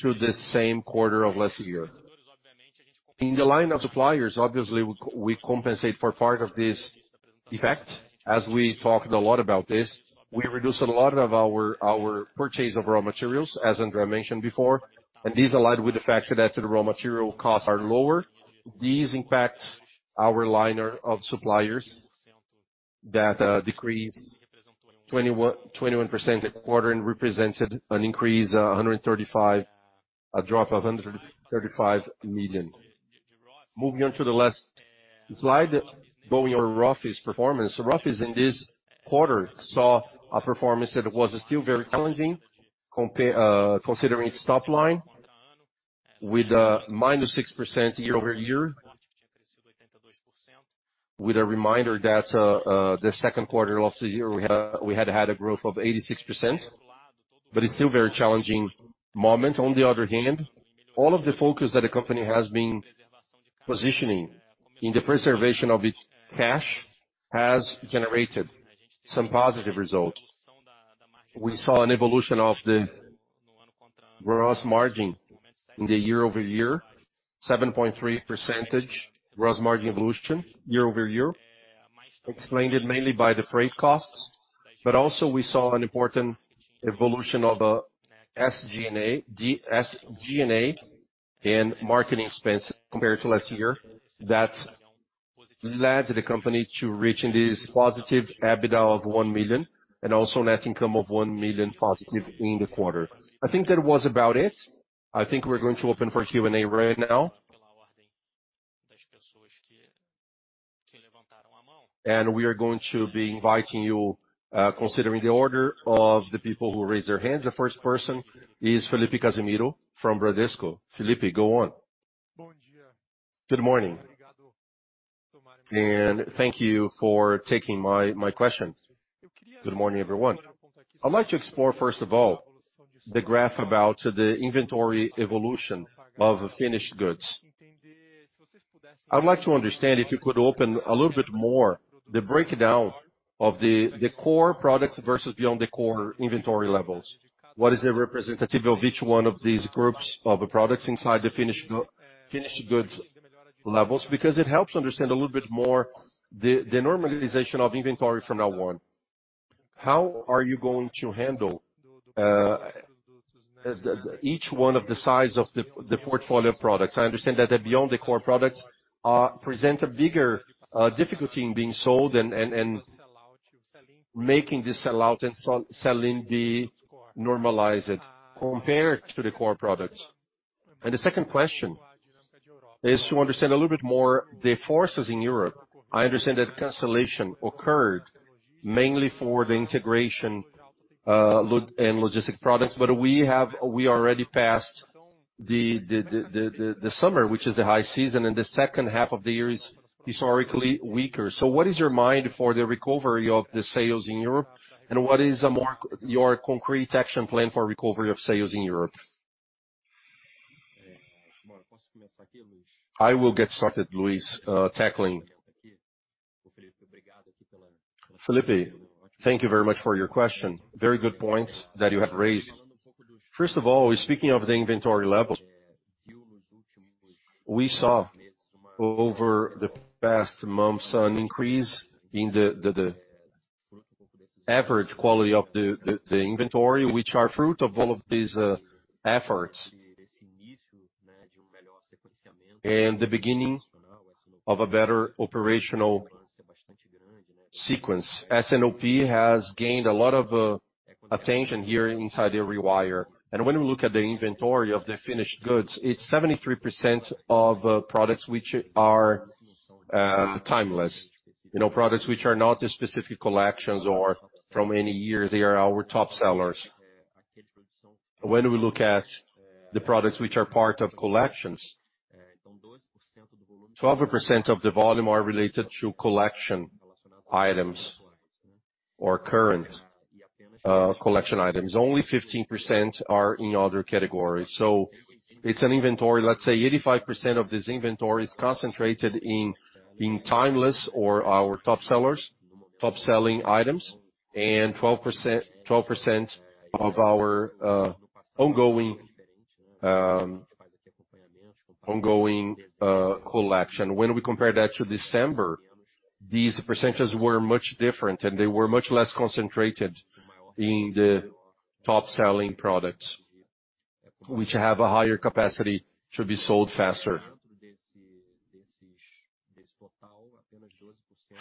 to the same quarter of last year. In the line of suppliers, obviously, we co-we compensate for part of this effect. As we talked a lot about this, we reduced a lot of our, our purchase of raw materials, as Andrea mentioned before, and this aligned with the fact that the raw material costs are lower. These impacts our liner of suppliers. That decreased 21, 21% a quarter and represented an increase, a drop of $135 million. Moving on to the last slide, going over Rothy's performance. Rothy's in this quarter, saw a performance that was still very challenging, considering its top line, with -6% year-over-year. With a reminder that the second quarter of the year, we had, we had had a growth of 86%, but it's still very challenging moment. On the other hand, all of the focus that the company has been positioning in the preservation of its cash, has generated some positive results. We saw an evolution of the gross margin in the year-over-year, 7.3% gross margin evolution year-over-year, explained mainly by the freight costs, but also we saw an important evolution of SG&A, SG&A and marketing expense compared to last year, that led the company to reach this positive EBITDA of 1 million, and also net income of 1 million positive in the quarter. I think that was about it. I think we're going to open for Q&A right now. We are going to be inviting you, considering the order of the people who raised their hands. The first person is Felipe Casemiro from Bradesco. Felipe, go on. Good morning, and thank you for taking my, my question. Good morning, everyone. I'd like to explore, first of all, the graph about the inventory evolution of finished goods. I'd like to understand, if you could open a little bit more, the breakdown of the core products versus beyond the core inventory levels. What is the representative of each one of these groups of products inside the finished goods levels? It helps understand a little bit more the normalization of inventory from now on. How are you going to handle each one of the size of the portfolio products? I understand that beyond the core products present a bigger difficulty in being sold and making this sell out and selling the normalized, compared to the core products. The second question, is to understand a little bit more the forces in Europe. I understand that cancellation occurred mainly for the integration and logistic products, but we already passed the summer, which is the high season, and the second half of the year is historically weaker. What is your mind for the recovery of the sales in Europe, and what is a more, your concrete action plan for recovery of sales in Europe? I will get started, Luiz, tackling. Felipe, thank you very much for your question. Very good points that you have raised. First of all, speaking of the inventory level, we saw over the past months, an increase in the average quality of the inventory, which are fruit of all of these efforts. The beginning of a better operational sequence. S&OP has gained a lot of attention here inside the rewire. When we look at the inventory of the finished goods, it's 73% of products which are timeless. You know, products which are not specific collections or from many years, they are our top sellers. When we look at the products which are part of collections, 12% of the volume are related to collection items or current collection items. Only 15% are in other categories. It's an inventory, let's say 85% of this inventory is concentrated in being timeless or our top sellers, top-selling items, and 12%, 12% of our ongoing ongoing collection. When we compare that to December, these percentages were much different, and they were much less concentrated in the top-selling products, which have a higher capacity to be sold faster.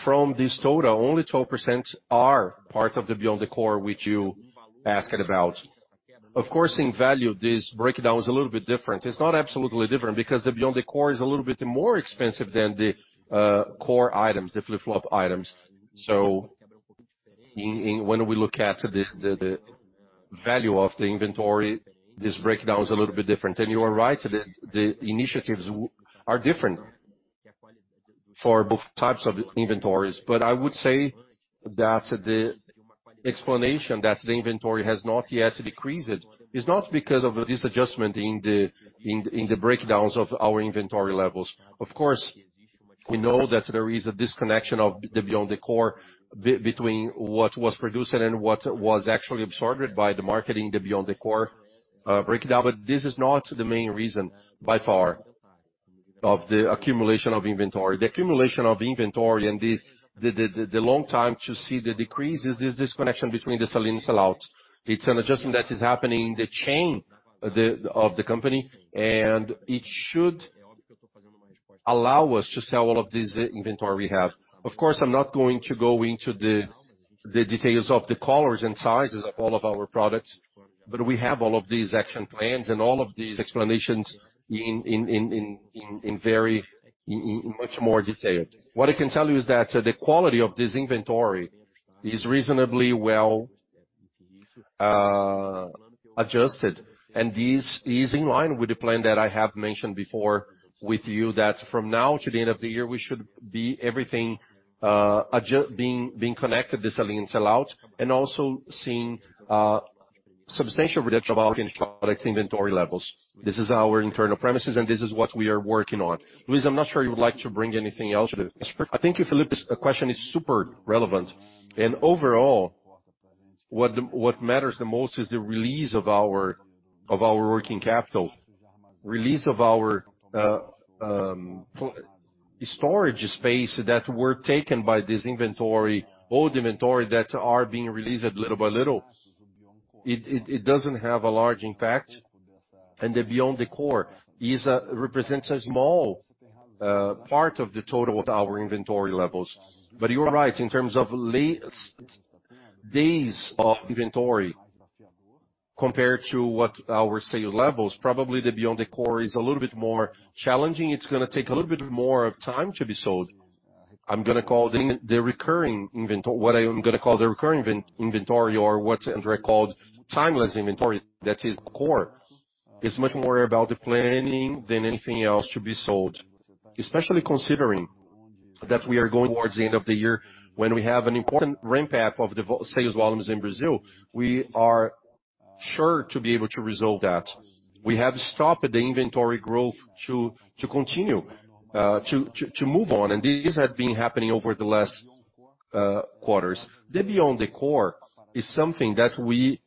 From this total, only 12% are part of the beyond the core, which you asked about. Of course, in value, this breakdown is a little bit different. It's not absolutely different, because the beyond the core is a little bit more expensive than the core items, the flip-flop items. In when we look at the value of the inventory, this breakdown is a little bit different. You are right, the initiatives are different for both types of inventories. I would say that the explanation that the inventory has not yet decreased, is not because of this adjustment in the breakdowns of our inventory levels. Of course, we know that there is a disconnection of the beyond the core, between what was produced and what was actually absorbed by the marketing, the beyond the core breakdown, but this is not the main reason, by far, of the accumulation of inventory. The accumulation of inventory and the long time to see the decrease is this disconnection between the selling sellout. It's an adjustment that is happening in the chain of the company, and it should allow us to sell all of this inventory we have. Of course, I'm not going to go into the details of the colors and sizes of all of our products, but we have all of these action plans and all of these explanations in very much more detail. What I can tell you is that the quality of this inventory is reasonably well adjusted, and this is in line with the plan that I have mentioned before with you, that from now to the end of the year, we should be everything being connected to selling and sell-out, and also seeing substantial reduction in products inventory levels. This is our internal premises, and this is what we are working on. Luiz, I'm not sure you would like to bring anything else to this? I think, Philippe, this question is super relevant. Overall, what matters the most is the release of our, of our working capital. Release of our storage space that were taken by this inventory, old inventory that are being released little by little. It doesn't have a large impact, and the beyond the core represents a small part of the total of our inventory levels. You are right, in terms of days of inventory compared to what our sales levels, probably the beyond the core is a little bit more challenging. It's gonna take a little bit more of time to be sold. I'm gonna call the recurring inventory, or what Andre called timeless inventory, that is core. It's much more about the planning than anything else to be sold, especially considering that we are going towards the end of the year, when we have an important ramp-up of the sales volumes in Brazil. We are sure to be able to resolve that. We have stopped the inventory growth to continue to move on. This has been happening over the last quarters. The beyond the core is something that we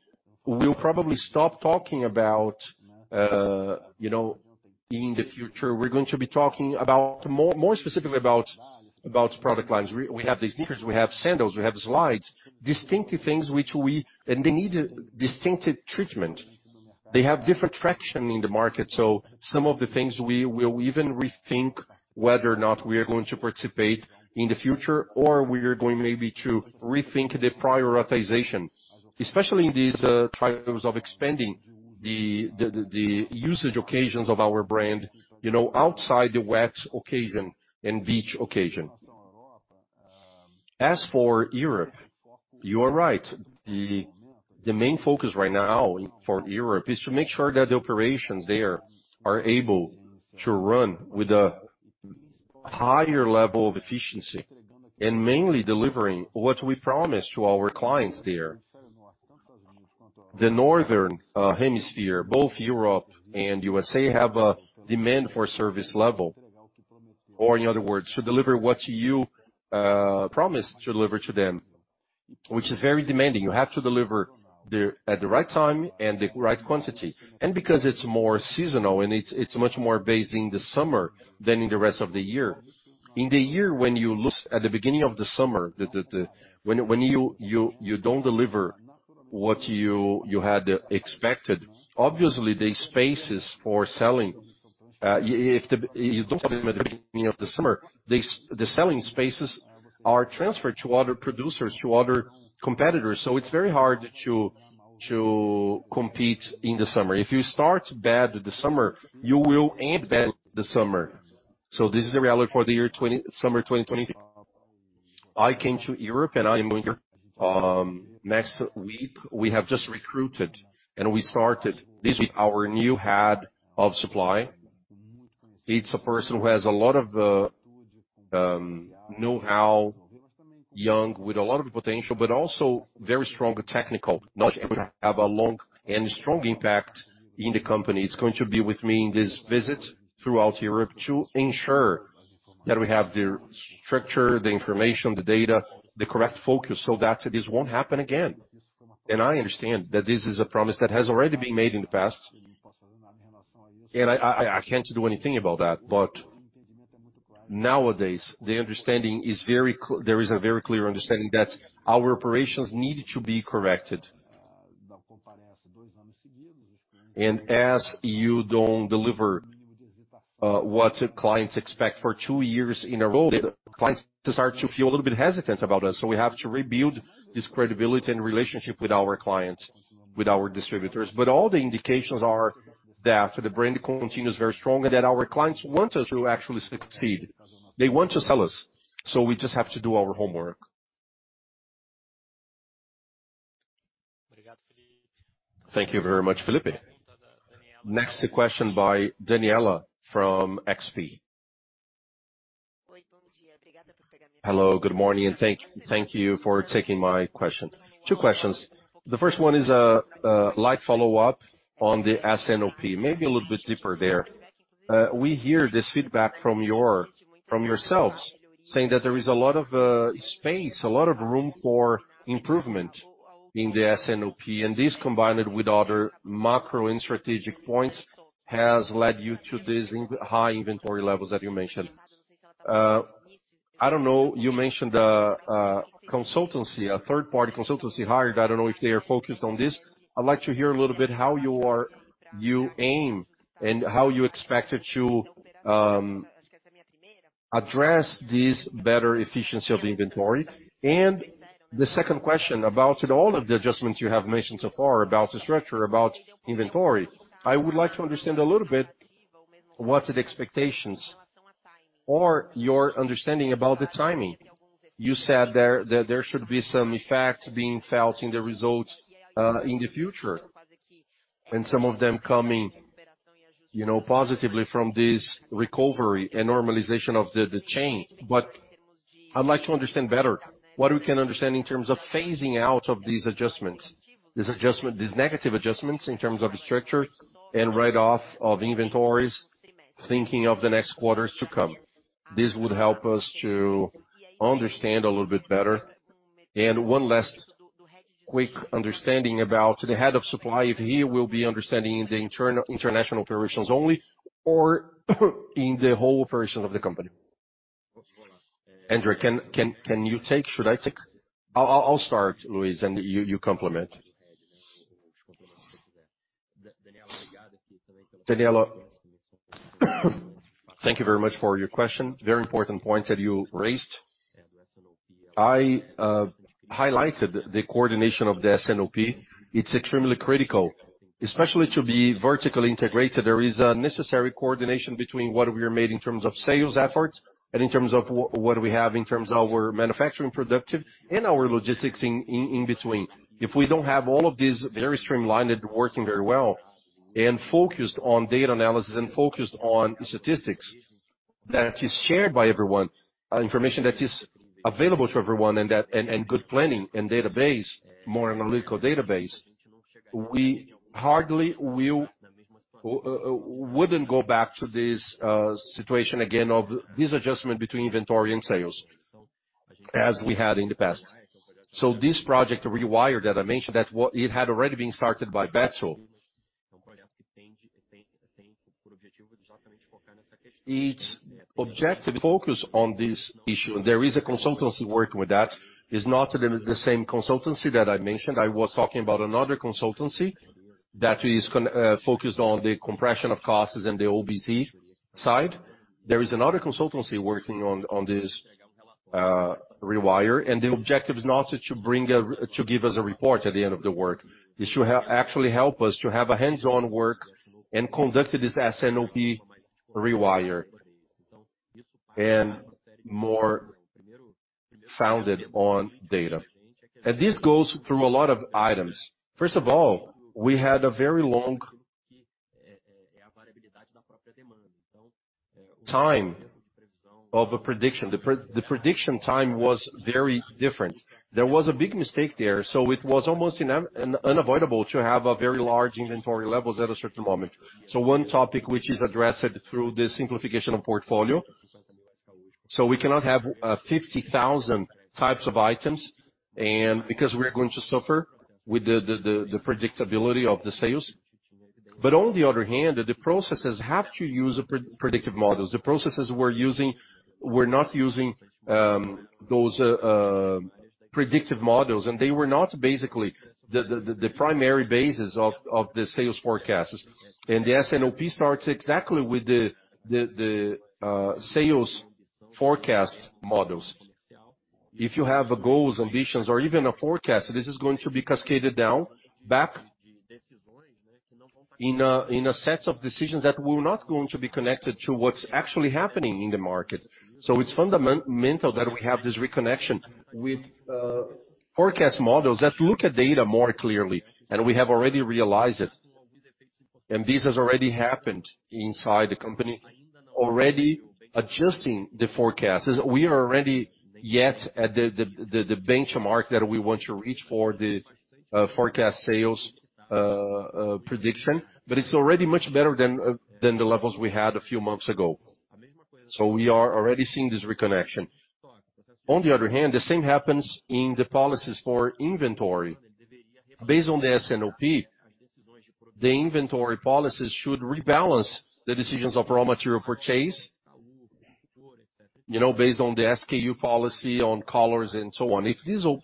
will probably stop talking about, you know, in the future. We're going to be talking about more specifically about product lines. We have the sneakers, we have sandals, we have slides, distinctive things which we and they need distinctive treatment. They have different traction in the market, so some of the things we will even rethink whether or not we are going to participate in the future, or we are going maybe to rethink the prioritization, especially in these trials of expanding the usage occasions of our brand, you know, outside the wet occasion and beach occasion. As for Europe, you are right. The main focus right now for Europe is to make sure that the operations there are able to run with a higher level of efficiency, and mainly delivering what we promised to our clients there. The northern hemisphere, both Europe and USA, have a demand for service level, or in other words, to deliver what you promised to deliver to them, which is very demanding. You have to deliver at the right time and the right quantity. Because it's more seasonal and it's much more based in the summer than in the rest of the year. In the year when you lose at the beginning of the summer, you don't deliver what you had expected, obviously, the spaces for selling. If you don't sell them at the beginning of the summer, the selling spaces are transferred to other producers, to other competitors. It's very hard to compete in the summer. If you start bad the summer, you will end bad the summer. This is a reality for the year summer 2020. I came to Europe. I am going next week. We have just recruited. We started this week, our new head of supply. It's a person who has a lot of know-how, young, with a lot of potential. Also very strong technical knowledge. Have a long and strong impact in the company. He's going to be with me in this visit throughout Europe to ensure that we have the structure, the information, the data, the correct focus, so that this won't happen again. I understand that this is a promise that has already been made in the past, and I, I, I can't do anything about that. Nowadays, there is a very clear understanding that our operations need to be corrected. As you don't deliver what clients expect for two years in a row, the clients start to feel a little bit hesitant about us, so we have to rebuild this credibility and relationship with our clients, with our distributors. All the indications are that the brand continues very strong and that our clients want us to actually succeed. They want to sell us, so we just have to do our homework. Thank you very much, Philippe. Next question by Daniela from XP. Hello, good morning, and thank, thank you for taking my question. Two questions. The first one is a light follow-up on the S&OP, maybe a little bit deeper there. We hear this feedback from your, from yourselves, saying that there is a lot of space, a lot of room for improvement in the S&OP, and this, combined with other macro and strategic points, has led you to these high inventory levels that you mentioned. I don't know, you mentioned a consultancy, a third party consultancy hired. I don't know if they are focused on this. I'd like to hear a little bit how you aim, and how you expected to address this better efficiency of the inventory. The second question about all of the adjustments you have mentioned so far about the structure, about inventory, I would like to understand a little bit, what's the expectations or your understanding about the timing? You said there, that there should be some effects being felt in the results in the future, and some of them coming, you know, positively from this recovery and normalization of the chain. I'd like to understand better what we can understand in terms of phasing out of these adjustments. These negative adjustments in terms of the structure and write-off of inventories, thinking of the next quarters to come. This would help us to understand a little bit better. One last quick understanding about the head of supply, if he will be understanding the international operations only, or in the whole version of the company. André, can, can, can you take, Should I take? I'll, I'll, I'll start, Luiz, and you, you complement. Daniela, thank you very much for your question. Very important points that you raised. I highlighted the coordination of the S&OP. It's extremely critical, especially to be vertically integrated. There is a necessary coordination between what we are made in terms of sales efforts and in terms of what we have in terms of our manufacturing productive and our logistics in, in, in between. If we don't have all of these very streamlined and working very well, and focused on data analysis, and focused on statistics that is shared by everyone, information that is available to everyone, and good planning and database, more analytical database, we hardly will wouldn't go back to this situation again of this adjustment between inventory and sales, as we had in the past. This project, Rewire, that I mentioned, It had already been started by Beto. Its objective focus on this issue, and there is a consultancy working with that, is not the same consultancy that I mentioned. I was talking about another consultancy that is focused on the compression of costs and the OBZside. There is another consultancy working on this Rewire, the objective is not to bring, to give us a report at the end of the work. It should actually help us to have a hands-on work and conduct this S&OP Rewire, and more founded on data. This goes through a lot of items. First of all, we had a very long time of a prediction. The prediction time was very different. There was a big mistake there, so it was almost unavoidable to have a very large inventory levels at a certain moment. One topic which is addressed through the simplification of portfolio, so we cannot have 50,000 types of items, and because we're going to suffer with the predictability of the sales. On the other hand, the processes have to use pre-predictive models. We're not using those predictive models, and they were not basically the primary basis of the sales forecasts. The S&OP starts exactly with the sales forecast models. If you have goals, ambitions, or even a forecast, this is going to be cascaded down, back in a set of decisions that we're not going to be connected to what's actually happening in the market. It's fundamental that we have this reconnection with forecast models that look at data more clearly, and we have already realized it. This has already happened inside the company, already adjusting the forecast. We are already yet at the benchmark that we want to reach for the forecast sales prediction, but it's already much better than the levels we had a few months ago. We are already seeing this reconnection. On the other hand, the same happens in the policies for inventory. Based on the S&OP, the inventory policies should rebalance the decisions of raw material purchase, you know, based on the SKU policy, on colors, and so on. If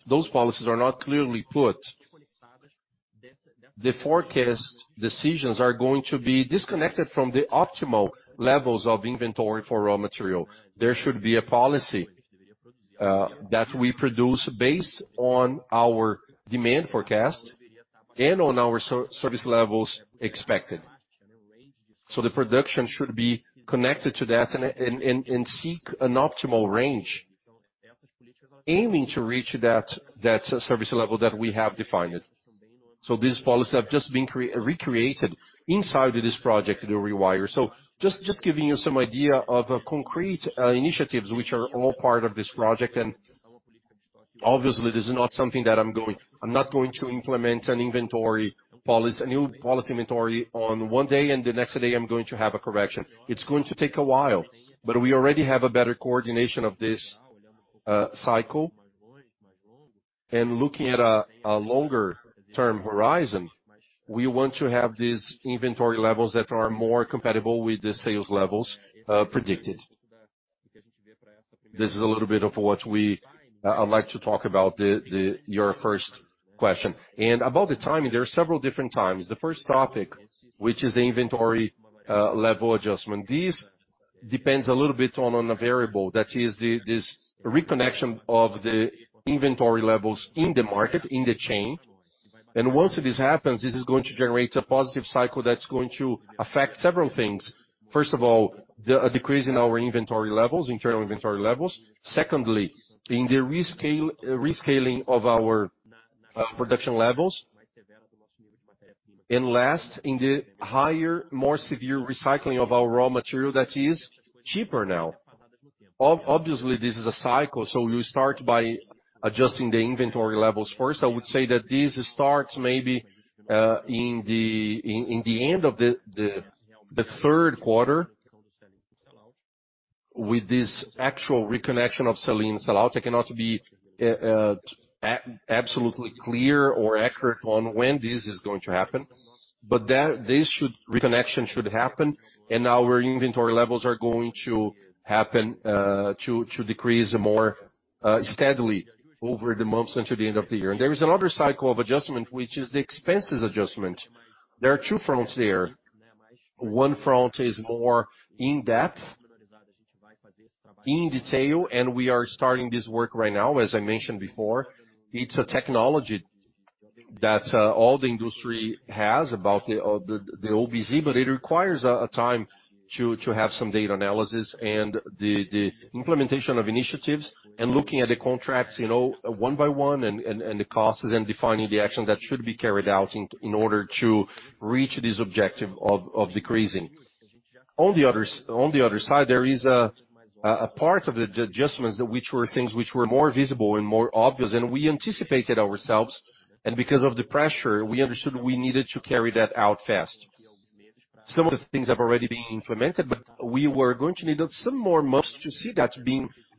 those policies are not clearly put, the forecast decisions are going to be disconnected from the optimal levels of inventory for raw material. There should be a policy that we produce based on our demand forecast and on our service levels expected. The production should be connected to that and seek an optimal range, aiming to reach that, that service level that we have defined. These policies have just been recreated inside this project, the Rewire. Just, just giving you some idea of a concrete initiatives which are all part of this project, and obviously, this is not something that I'm not going to implement an inventory policy, a new policy inventory on one day, and the next day I'm going to have a correction. It's going to take a while, but we already have a better coordination of this cycle. Looking at a longer term horizon, we want to have these inventory levels that are more compatible with the sales levels predicted. This is a little bit of what we, I'd like to talk about the, the your first question. About the timing, there are several different times. The first topic, which is the inventory level adjustment. This depends a little bit on, on a variable, that is the, this reconnection of the inventory levels in the market, in the chain. Once this happens, this is going to generate a positive cycle that's going to affect several things. First of all, a decrease in our inventory levels, internal inventory levels. Secondly, in the rescale, rescaling of our production levels. Last, in the higher, more severe recycling of our raw material that is cheaper now. Obviously, this is a cycle, so we start by adjusting the inventory levels first. I would say that this starts maybe, in the end of the third quarter, with this actual reconnection of sell-in, sell-out. I cannot be absolutely clear or accurate on when this is going to happen, but that reconnection should happen, and our inventory levels are going to happen, to decrease more steadily over the months until the end of the year. There is another cycle of adjustment, which is the expenses adjustment. There are two fronts there. One front is more in-depth, in detail, and we are starting this work right now, as I mentioned before. It's a technology that all the industry has about the, the, the OBZ, but it requires a, a time to, to have some data analysis and the, the implementation of initiatives, and looking at the contracts, you know, one by one, and, and, and the costs, and defining the action that should be carried out in, in order to reach this objective of, of decreasing. On the other side, there is a, a, a part of the ad-adjustments which were things which were more visible and more obvious, and we anticipated ourselves, and because of the pressure, we understood we needed to carry that out fast. Some of the things have already been implemented, but we were going to need some more months to see that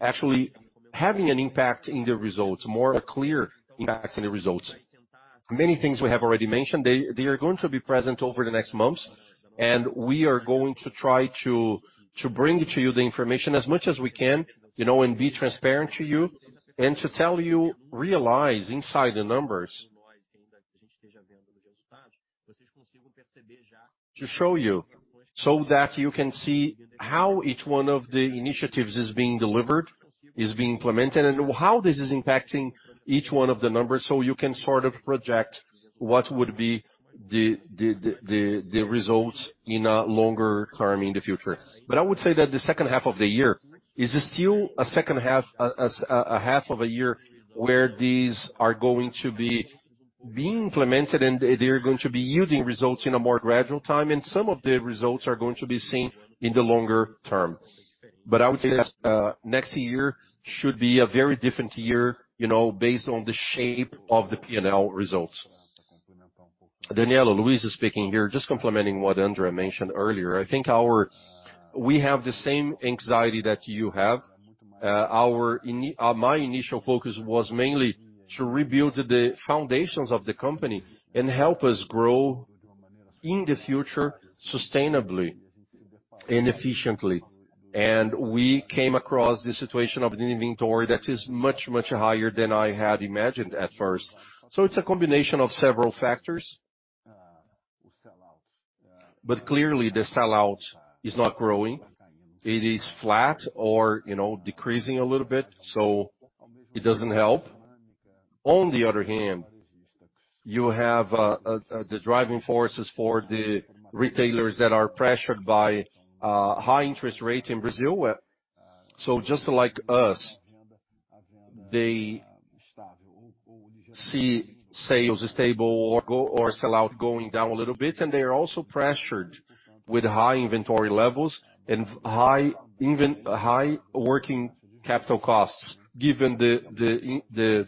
actually having an impact in the results, more clear impacts in the results. Many things we have already mentioned, they, they are going to be present over the next months, and we are going to try to, to bring to you the information as much as we can, you know, and be transparent to you, and to tell you, realize inside the numbers. To show you, so that you can see how each one of the initiatives is being delivered, is being implemented, and how this is impacting each one of the numbers, so you can sort of project what would be the results in a longer term in the future. I would say that the second half of the year is still a second half, a half of a year, where these are going to be being implemented, and they're going to be yielding results in a more gradual time, and some of the results are going to be seen in the longer term. I would say that next year should be a very different year, you know, based on the shape of the P&L results. Daniela, Luiz speaking here, just complementing what Andre mentioned earlier. I think we have the same anxiety that you have. Our initial focus was mainly to rebuild the foundations of the company and help us grow in the future, sustainably and efficiently. We came across this situation of the inventory that is much, much higher than I had imagined at first. It's a combination of several factors. Clearly, the sell-out is not growing. It is flat or, you know, decreasing a little bit. It doesn't help. On the other hand, you have the driving forces for the retailers that are pressured by high interest rates in Brazil. Just like us, they see sales stable or go- or sell-out going down a little bit, and they are also pressured with high inventory levels and high inven- high working capital costs, given the, the,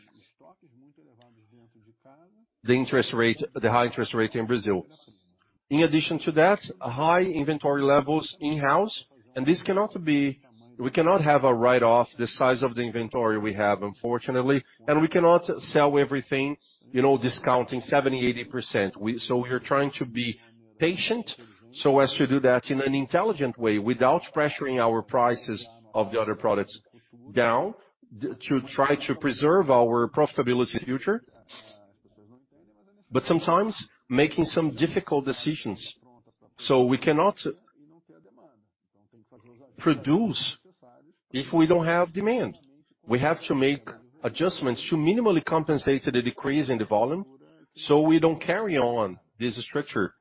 in, the, the interest rate, the high interest rate in Brazil. In addition to that, high inventory levels in-house. This cannot be-- we cannot have a write-off the size of the inventory we have, unfortunately. We cannot sell everything, you know, discounting 70%-80%. We are trying to be patient, so as to do that in an intelligent way without pressuring our prices of the other products down, to try to preserve our profitability future, but sometimes making some difficult decisions. We cannot produce if we don't have demand. We have to make adjustments to minimally compensate the decrease in the volume, so we don't carry on this structure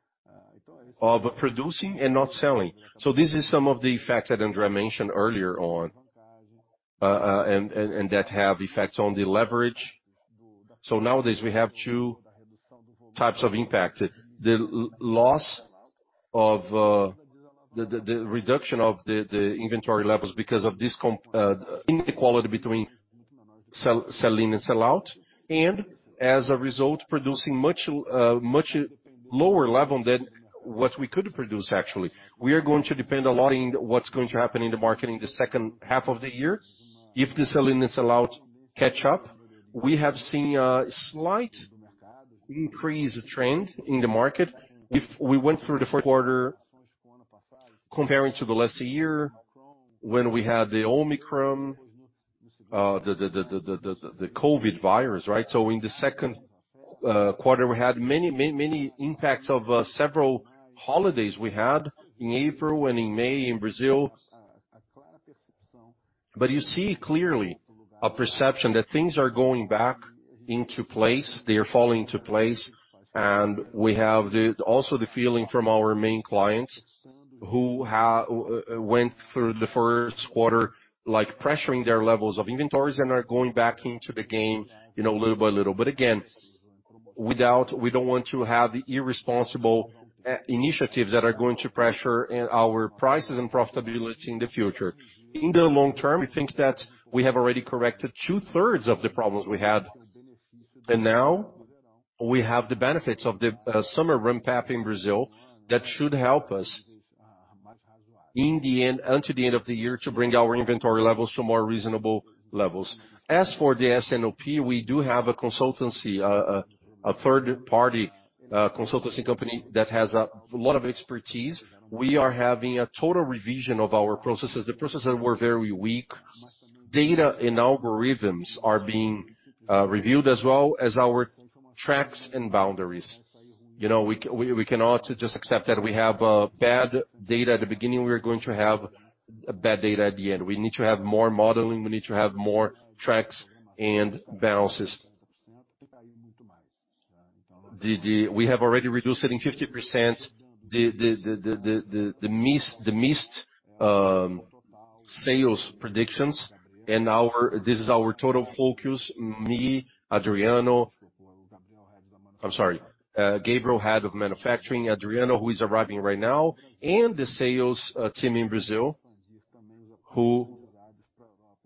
of producing and not selling. This is some of the effects that André mentioned earlier on, and, and, and that have effects on the leverage. Nowadays, we have two types of impacts: the loss of, the, the, the reduction of the, the inventory levels because of this inequality between sell, sell-in and sell-out, and as a result, producing much lower level than what we could produce actually. We are going to depend a lot in what's going to happen in the market in the second half of the year. If the selling is allowed, catch up. We have seen a slight increase of trend in the market. If we went through the fourth quarter, comparing to the last year when we had the Omicron, the COVID virus, right? In the second quarter, we had many, many, many impacts of several holidays we had in April and in May in Brazil. You see clearly a perception that things are going back into place. They are falling into place, and we have also the feeling from our main clients, who went through the first quarter, like pressuring their levels of inventories and are going back into the game, you know, little by little. Again, without. We don't want to have the irresponsible initiatives that are going to pressure in our prices and profitability in the future. In the long term, we think that we have already corrected two-thirds of the problems we had, and now we have the benefits of the summer RAMP up in Brazil. That should help us in the end until the end of the year, to bring our inventory levels to more reasonable levels. As for the S&OP, we do have a consultancy, a third-party consultancy company that has a lot of expertise. We are having a total revision of our processes. The processes were very weak. Data and algorithms are being reviewed as well as our tracks and boundaries. You know, we, we cannot just accept that we have bad data at the beginning, we are going to have bad data at the end. We need to have more modeling, we need to have more tracks and balances. We have already reduced it in 50%, the missed sales predictions, this is our total focus, me, Adriano... I'm sorry, Gabriel, head of manufacturing, Adriano, who is arriving right now, and the sales team in Brazil, who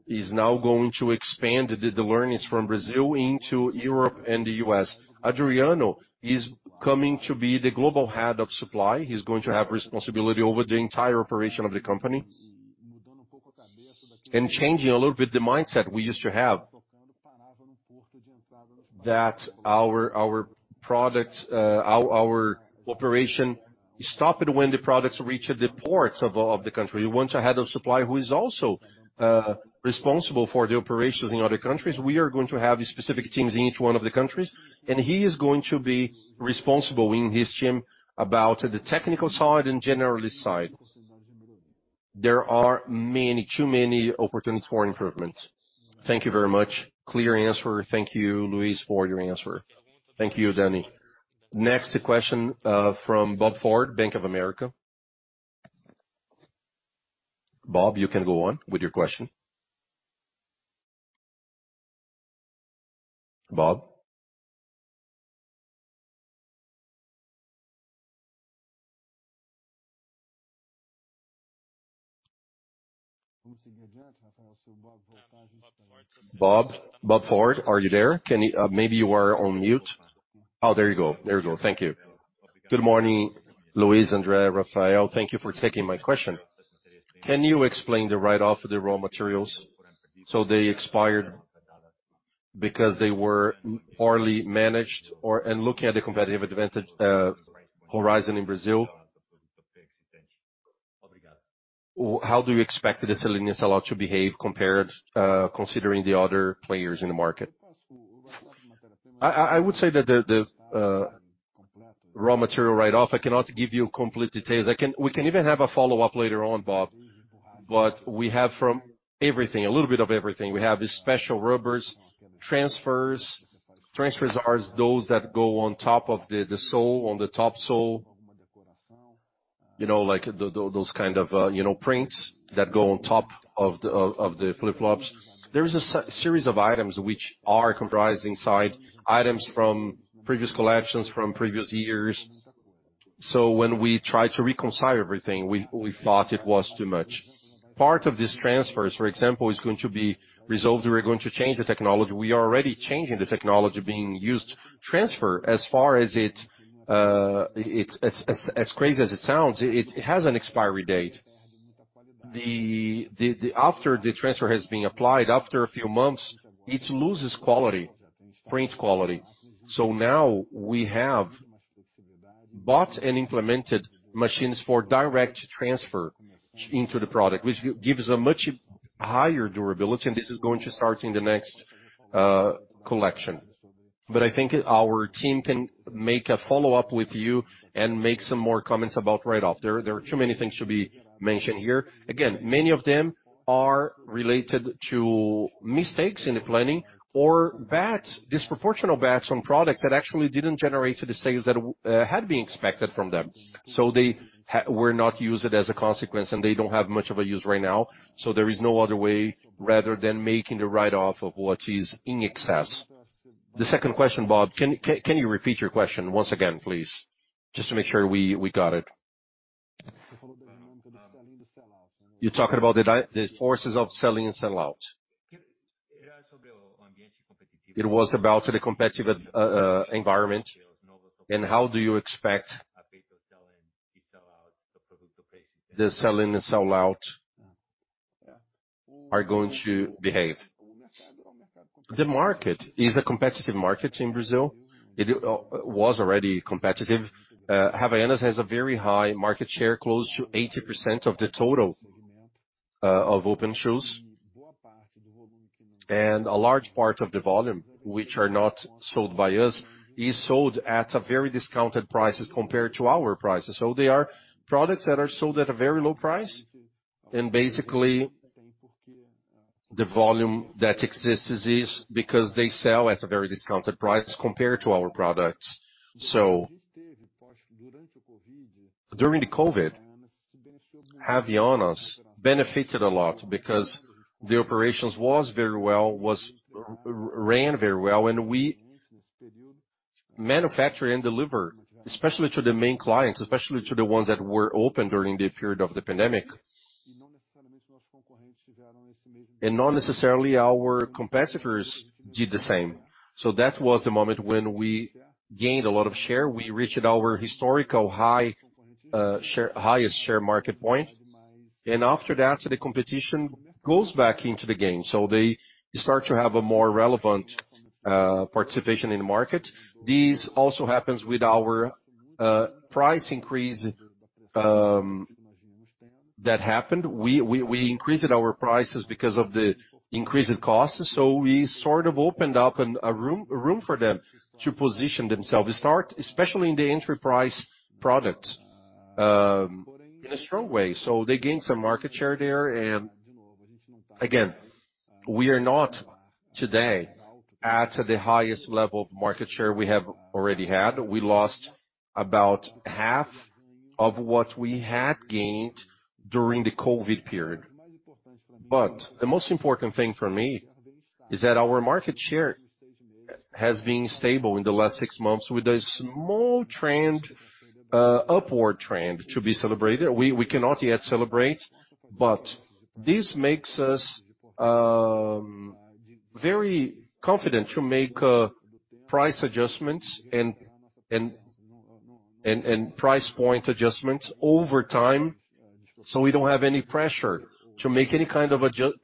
is now going to expand the learnings from Brazil into Europe and the U.S. Adriano is coming to be the global head of supply. He's going to have responsibility over the entire operation of the company. Changing a little bit, the mindset we used to have, that our, our products, our, our operation stopped when the products reached the ports of, of the country. We want a head of supply who is also responsible for the operations in other countries. We are going to have specific teams in each one of the countries, and he is going to be responsible in his team about the technical side and generalist side. There are many, too many opportunities for improvement. Thank you very much. Clear answer. Thank you, Luiz, for your answer. Thank you, Daniela. Next, a question from Bob Ford, Bank of America. Bob, you can go on with your question. Bob? Bob, Bob Ford, are you there? Can you, maybe you are on mute. Oh, there you go. There you go. Thank you. Good morning, Luiz, André, Rafael. Thank you for taking my question. Can you explain the write-off of the raw materials? They expired because they were poorly managed, or... Looking at the competitive advantage horizon in Brazil, how do you expect the sell-in sell-out to behave compared considering the other players in the market? I, I, I would say that the, the raw material write-off, I cannot give you complete details. I can-- we can even have a follow-up later on, Bob, but we have from everything, a little bit of everything. We have special rubbers, transfers. Transfers are those that go on top of the, the sole, on the top sole, you know, like th-th-those kind of, you know, prints that go on top of the of the flip-flops. There is a series of items which are comprised inside items from previous collections, from previous years. When we try to reconcile everything, we, we thought it was too much. Part of these transfers, for example, is going to be resolved, we're going to change the technology. We are already changing the technology being used. Transfer, as far as it, it's as, as, as crazy as it sounds, it, it has an expiry date. After the transfer has been applied, after a few months, it loses quality, print quality. Now we have bought and implemented machines for direct transfer into the product, which gives a much higher durability, and this is going to start in the next collection. I think our team can make a follow-up with you and make some more comments about write-off. There, there are too many things to be mentioned here. Many of them are related to mistakes in the planning or batch, disproportional batch on products that actually didn't generate the sales that had been expected from them. They were not used as a consequence, and they don't have much of a use right now. There is no other way, rather than making the write-off of what is in excess. The second question, Bob, can you repeat your question once again, please? Just to make sure we, we got it. You're talking about the forces of selling and sell out? It was about the competitive environment, and how do you expect the selling and sell out are going to behave. The market is a competitive market in Brazil. It was already competitive. Havaianas has a very high market share, close to 80% of the total of open shoes. A large part of the volume, which are not sold by us, is sold at a very discounted prices compared to our prices. They are products that are sold at a very low price, and basically, the volume that exists is because they sell at a very discounted price compared to our products. During the COVID, Havaianas benefited a lot because the operations was very well, was ran very well, and we manufacture and deliver, especially to the main clients, especially to the ones that were open during the period of the pandemic. Not necessarily our competitors did the same. That was the moment when we gained a lot of share. We reached our historical highest share market point. After that, the competition goes back into the game. They start to have a more relevant participation in the market. This also happens with our price increase that happened. We increased our prices because of the increased costs. We sort of opened up a room, a room for them to position themselves. We start, especially in the enterprise product, in a strong way. They gained some market share there. Again, we are not today at the highest level of market share we have already had. We lost about half of what we had gained during the COVID period. The most important thing for me is that our market share has been stable in the last six months with a small trend, upward trend to be celebrated. We, we cannot yet celebrate, but this makes us very confident to make price adjustments and, and, and, and price point adjustments over time, so we don't have any pressure to make any kind of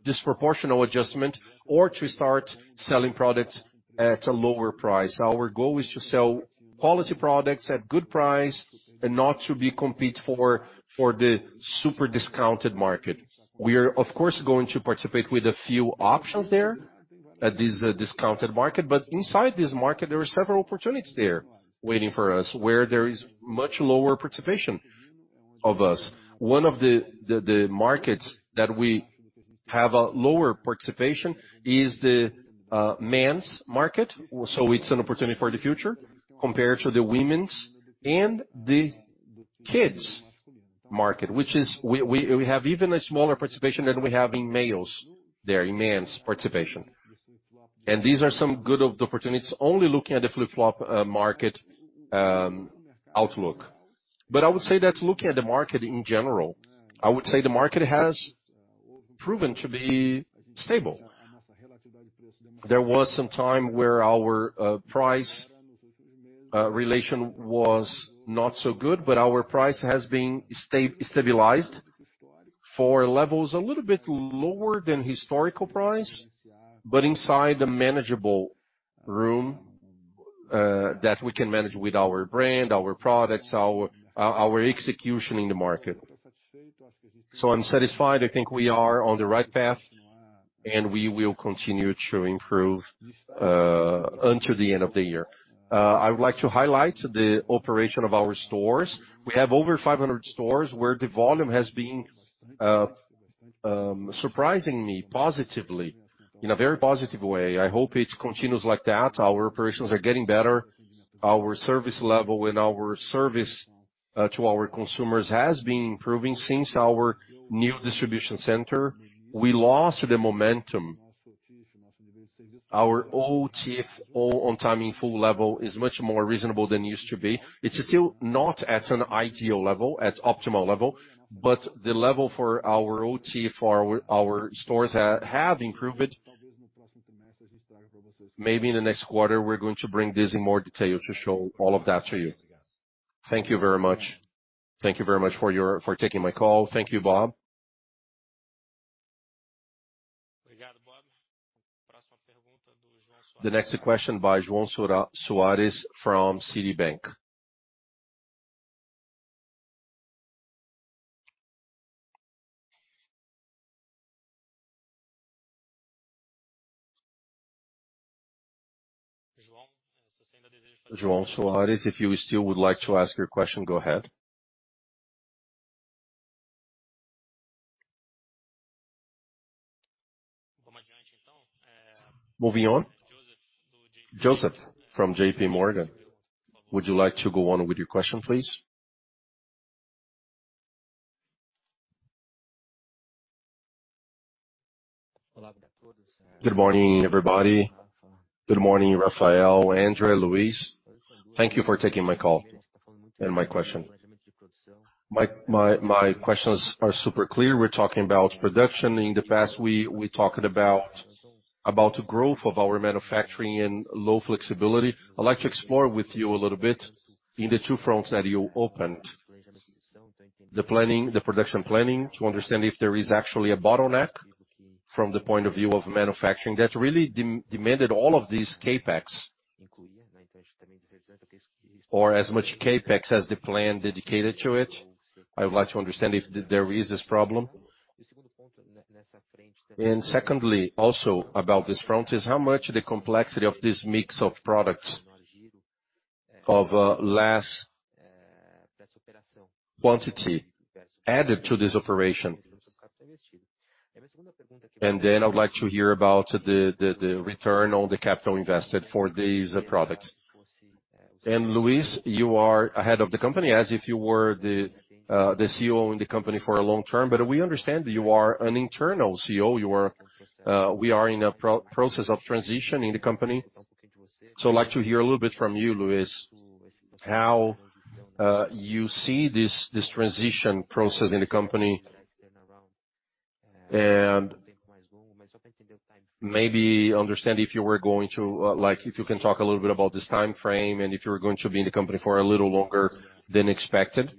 disproportional adjustment or to start selling products at a lower price. Our goal is to sell quality products at good price and not to be compete for, for the super discounted market. We are, of course, going to participate with a few options there, at this discounted market, but inside this market, there are several opportunities there waiting for us, where there is much lower participation of us. One of the markets that we have a lower participation is the men's market. It's an opportunity for the future compared to the women's and the kids market, which is we have even a smaller participation than we have in males there, in men's participation. These are some good of the opportunities, only looking at the flip-flop market outlook. I would say that looking at the market in general, I would say the market has proven to be stable. There was some time where our price relation was not so good, but our price has been stabilized for levels a little bit lower than historical price, but inside the manageable room that we can manage with our brand, our products, our execution in the market. I'm satisfied. I think we are on the right path, we will continue to improve until the end of the year. I would like to highlight the operation of our stores. We have over 500 stores where the volume has been surprisingly, positively, in a very positive way. I hope it continues like that. Our operations are getting better. Our service level and our service to our consumers has been improving since our new distribution center. We lost the momentum. Our OTIF, All On Time In Full level, is much more reasonable than it used to be. It's still not at an ideal level, at optimal level, but the level for our OTIF, our stores have improved. Maybe in the next quarter, we're going to bring this in more detail to show all of that to you. Thank you very much. Thank you very much for taking my call. Thank you, Bob. The next question by João Sora- Soares from Citi. João Soares, if you still would like to ask your question, go ahead. Moving on, Joseph from J.P. Morgan, would you like to go on with your question, please? Good morning, everybody. Good morning, Rafael, André, Luiz. Thank you for taking my call and my question. My questions are super clear. We're talking about production. In the past, we talked about the growth of our manufacturing and low flexibility. I'd like to explore with you a little bit in the two fronts that you opened. The planning, the production planning, to understand if there is actually a bottleneck from the point of view of manufacturing, that really demanded all of these CapEx. As much CapEx as the plan dedicated to it, I would like to understand if there is this problem. Secondly, also about this front, is how much the complexity of this mix of products of, less quantity added to this operation? Then I'd like to hear about the, the, the return on the capital invested for these, products. Luiz, you are ahead of the company as if you were the, the CEO in the company for a long term, but we understand you are an internal CEO. You are, we are in a process of transition in the company, so I'd like to hear a little bit from you, Luis, how, you see this, this transition process in the company? Maybe understand if you were going to, like, if you can talk a little bit about this time frame, and if you were going to be in the company for a little longer than expected.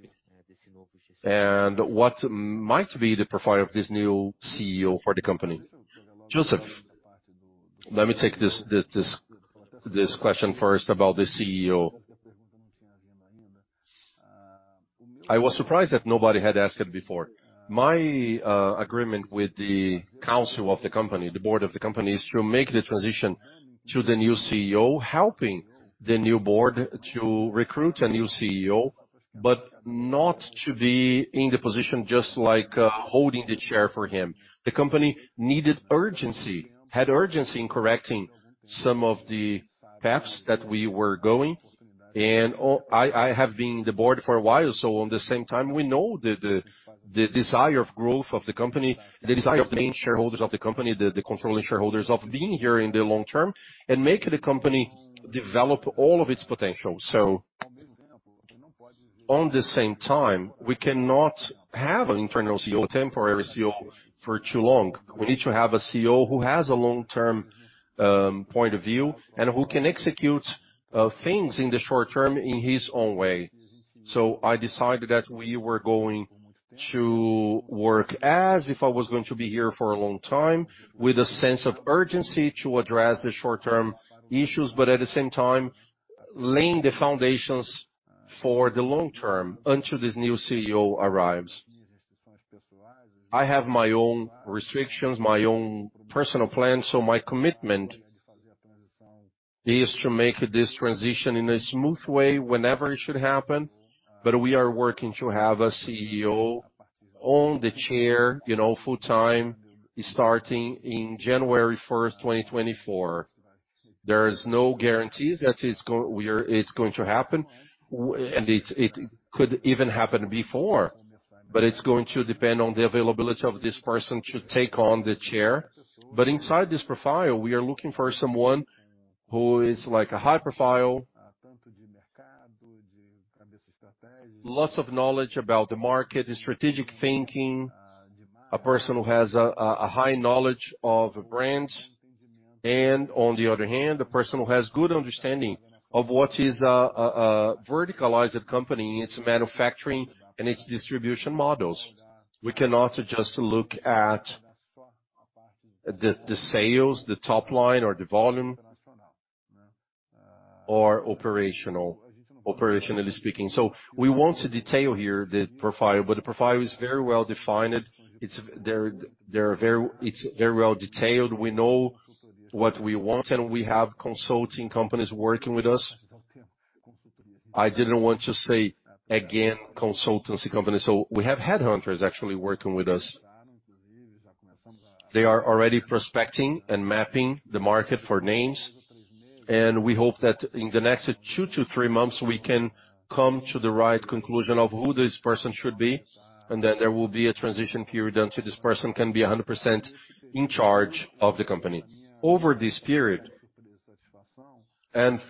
What might be the profile of this new CEO for the company? Joseph, let me take this, this, this, this question first about the CEO. I was surprised that nobody had asked it before. My agreement with the council of the company, the Board of the company, is to make the transition to the new CEO, helping the new Board to recruit a new CEO, but not to be in the position, just like, holding the chair for him. The company needed urgency, had urgency in correcting some of the paths that we were going, and I, I have been in the board for a while, on the same time, we know that the desire of growth of the company, the desire of the main shareholders of the company, the controlling shareholders of being here in the long term and making the company develop all of its potential. On the same time, we cannot have an internal CEO, temporary CEO, for too long. We need to have a CEO who has a long-term point of view, and who can execute things in the short term in his own way. I decided that we were going to work as if I was going to be here for a long time, with a sense of urgency to address the short-term issues, but at the same time, laying the foundations for the long term until this new CEO arrives. I have my own restrictions, my own personal plan, so my commitment is to make this transition in a smooth way whenever it should happen, but we are working to have a CEO on the chair, you know, full-time, starting in January 1st, 2024. There is no guarantees that it's going to happen, and it's, it could even happen before, but it's going to depend on the availability of this person to take on the chair. Inside this profile, we are looking for someone who is, like, a high profile, lots of knowledge about the market, strategic thinking, a person who has a high knowledge of brands, and on the other hand, a person who has good understanding of what is a verticalized company in its manufacturing and its distribution models. We cannot just look at the sales, the top line or the volume, or operational, operationally speaking. We want to detail here the profile, but the profile is very well defined. It's very well detailed. We know what we want, and we have consulting companies working with us. I didn't want to say, again, consultancy company, so we have headhunters actually working with us. They are already prospecting and mapping the market for names. We hope that in the next two to three months, we can come to the right conclusion of who this person should be, and then there will be a transition period until this person can be 100% in charge of the company. Over this period,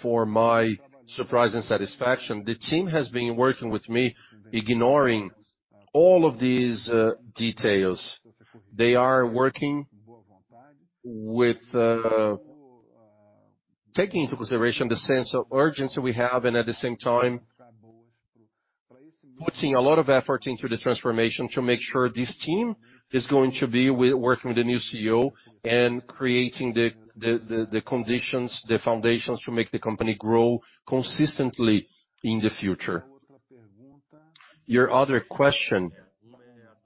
for my surprise and satisfaction, the team has been working with me, ignoring all of these details. They are working with. Taking into consideration the sense of urgency we have, and at the same time, putting a lot of effort into the transformation to make sure this team is going to be working with the new CEO and creating the conditions, the foundations, to make the company grow consistently in the future. Your other question,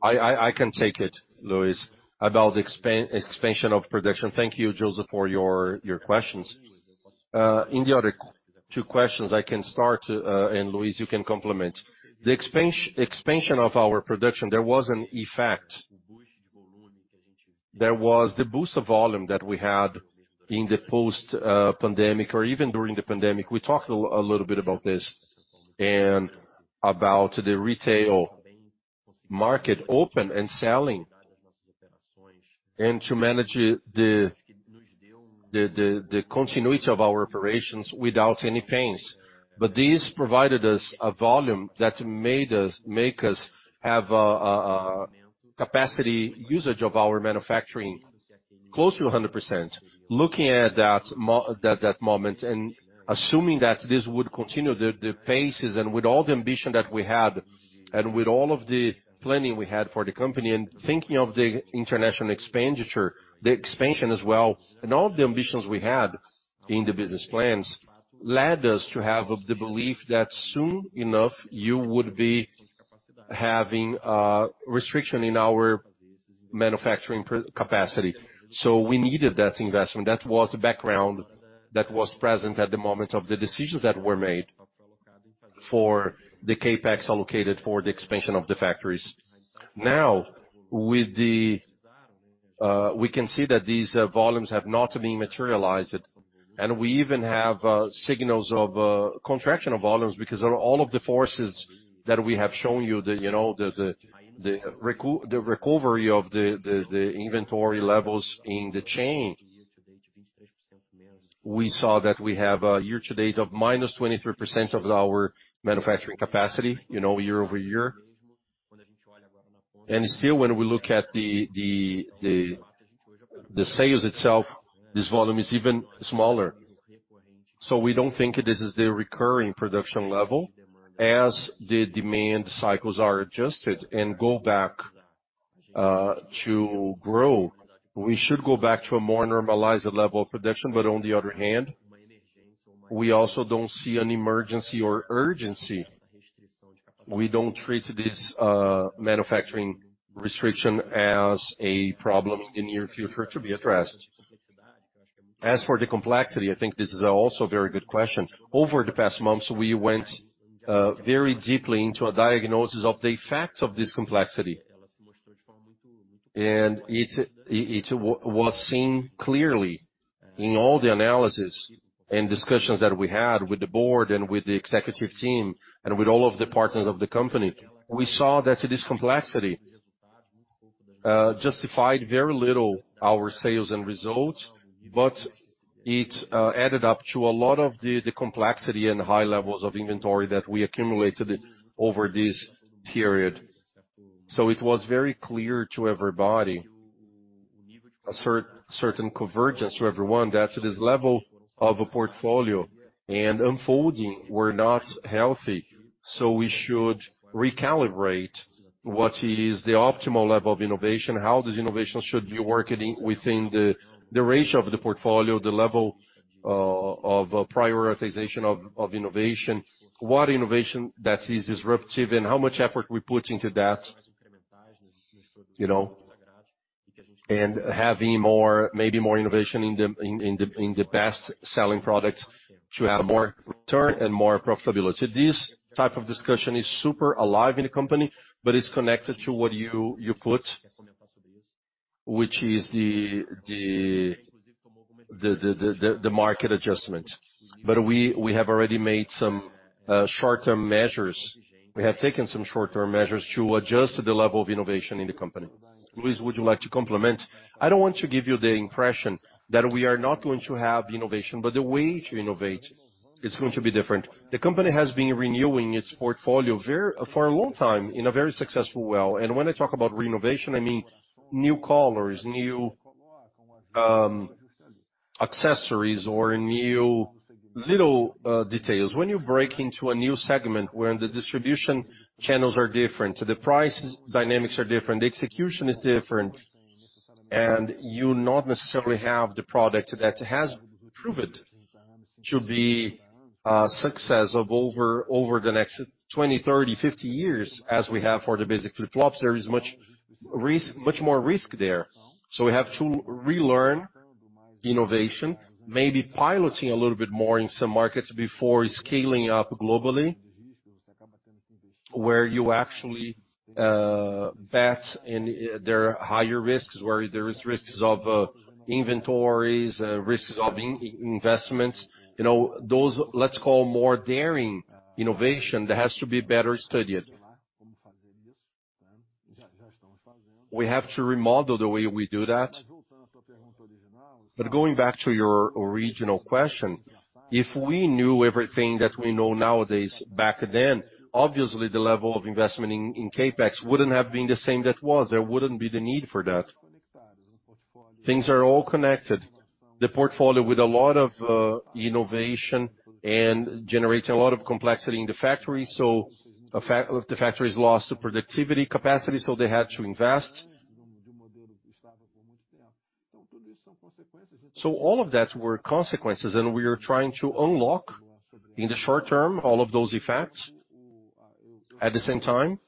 I, I, I can take it, Luis, about the expan- expansion of production. Thank you, Joseph, for your, your questions. In the other two questions, I can start, and Luis, you can complement. The expansion, expansion of our production, there was an effect. There was the boost of volume that we had in the post, pandemic or even during the pandemic. We talked a l- a little bit about this, and about the retail-... market open and selling, and to manage the, the, the, the continuity of our operations without any pains. But this provided us a volume that made us, make us have a, a, a capacity usage of our manufacturing close to 100%. Looking at that at that moment, assuming that this would continue the, the paces, with all the ambition that we had, with all of the planning we had for the company, thinking of the international expenditure, the expansion as well, all the ambitions we had in the business plans, led us to have the belief that soon enough, you would be having a restriction in our manufacturing capacity. We needed that investment. That was the background that was present at the moment of the decisions that were made for the CapEx allocated for the expansion of the factories. With the we can see that these volumes have not been materialized, and we even have signals of contraction of volumes, because of all of the forces that we have shown you, the, you know, the, the, the recovery of the, the, the inventory levels in the chain. We saw that we have a year-to-date of -23% of our manufacturing capacity, you know, year-over-year. Still, when we look at the, the, the, the sales itself, this volume is even smaller. We don't think this is the recurring production level. As the demand cycles are adjusted and go back to grow, we should go back to a more normalized level of production. On the other hand, we also don't see an emergency or urgency. We don't treat this manufacturing restriction as a problem in the near future to be addressed. As for the complexity, I think this is also a very good question. Over the past months, we went very deeply into a diagnosis of the effects of this complexity. It was seen clearly in all the analysis and discussions that we had with the board and with the executive team, and with all of the partners of the company. We saw that this complexity justified very little our sales and results, but it added up to a lot of the, the complexity and high levels of inventory that we accumulated over this period. It was very clear to everybody, a certain convergence to everyone, that this level of a portfolio and unfolding were not healthy, so we should recalibrate what is the optimal level of innovation, how this innovation should be working within the ratio of the portfolio, the level of prioritization of innovation, what innovation that is disruptive and how much effort we put into that, you know. Having more, maybe more innovation in the best-selling products to have more return and more profitability. This type of discussion is super alive in the company, but it's connected to what you, you put, which is the market adjustment. We, we have already made some short-term measures. We have taken some short-term measures to adjust the level of innovation in the company. Luiz, would you like to complement? I don't want to give you the impression that we are not going to have innovation, but the way to innovate is going to be different. The company has been renewing its portfolio for a long time in a very successful well. When I talk about renovation, I mean new colors, new accessories or new little details. When you break into a new segment, when the distribution channels are different, the price dynamics are different, the execution is different, and you not necessarily have the product that has proved to be a success of over, over the next 20, 30, 50 years, as we have for the basic flip-flops, there is much more risk there. We have to relearn innovation, maybe piloting a little bit more in some markets before scaling up globally, where you actually bet and there are higher risks, where there is risks of inventories, risks of investments. You know, those, let's call, more daring innovation, that has to be better studied. We have to remodel the way we do that. Going back to your original question, if we knew everything that we know nowadays back then, obviously, the level of investment in CapEx wouldn't have been the same that was. There wouldn't be the need for that. Things are all connected. The portfolio with a lot of innovation and generates a lot of complexity in the factory, so the factories lost the productivity capacity, so they had to invest. All of that were consequences, and we are trying to unlock, in the short term, all of those effects. At the same time,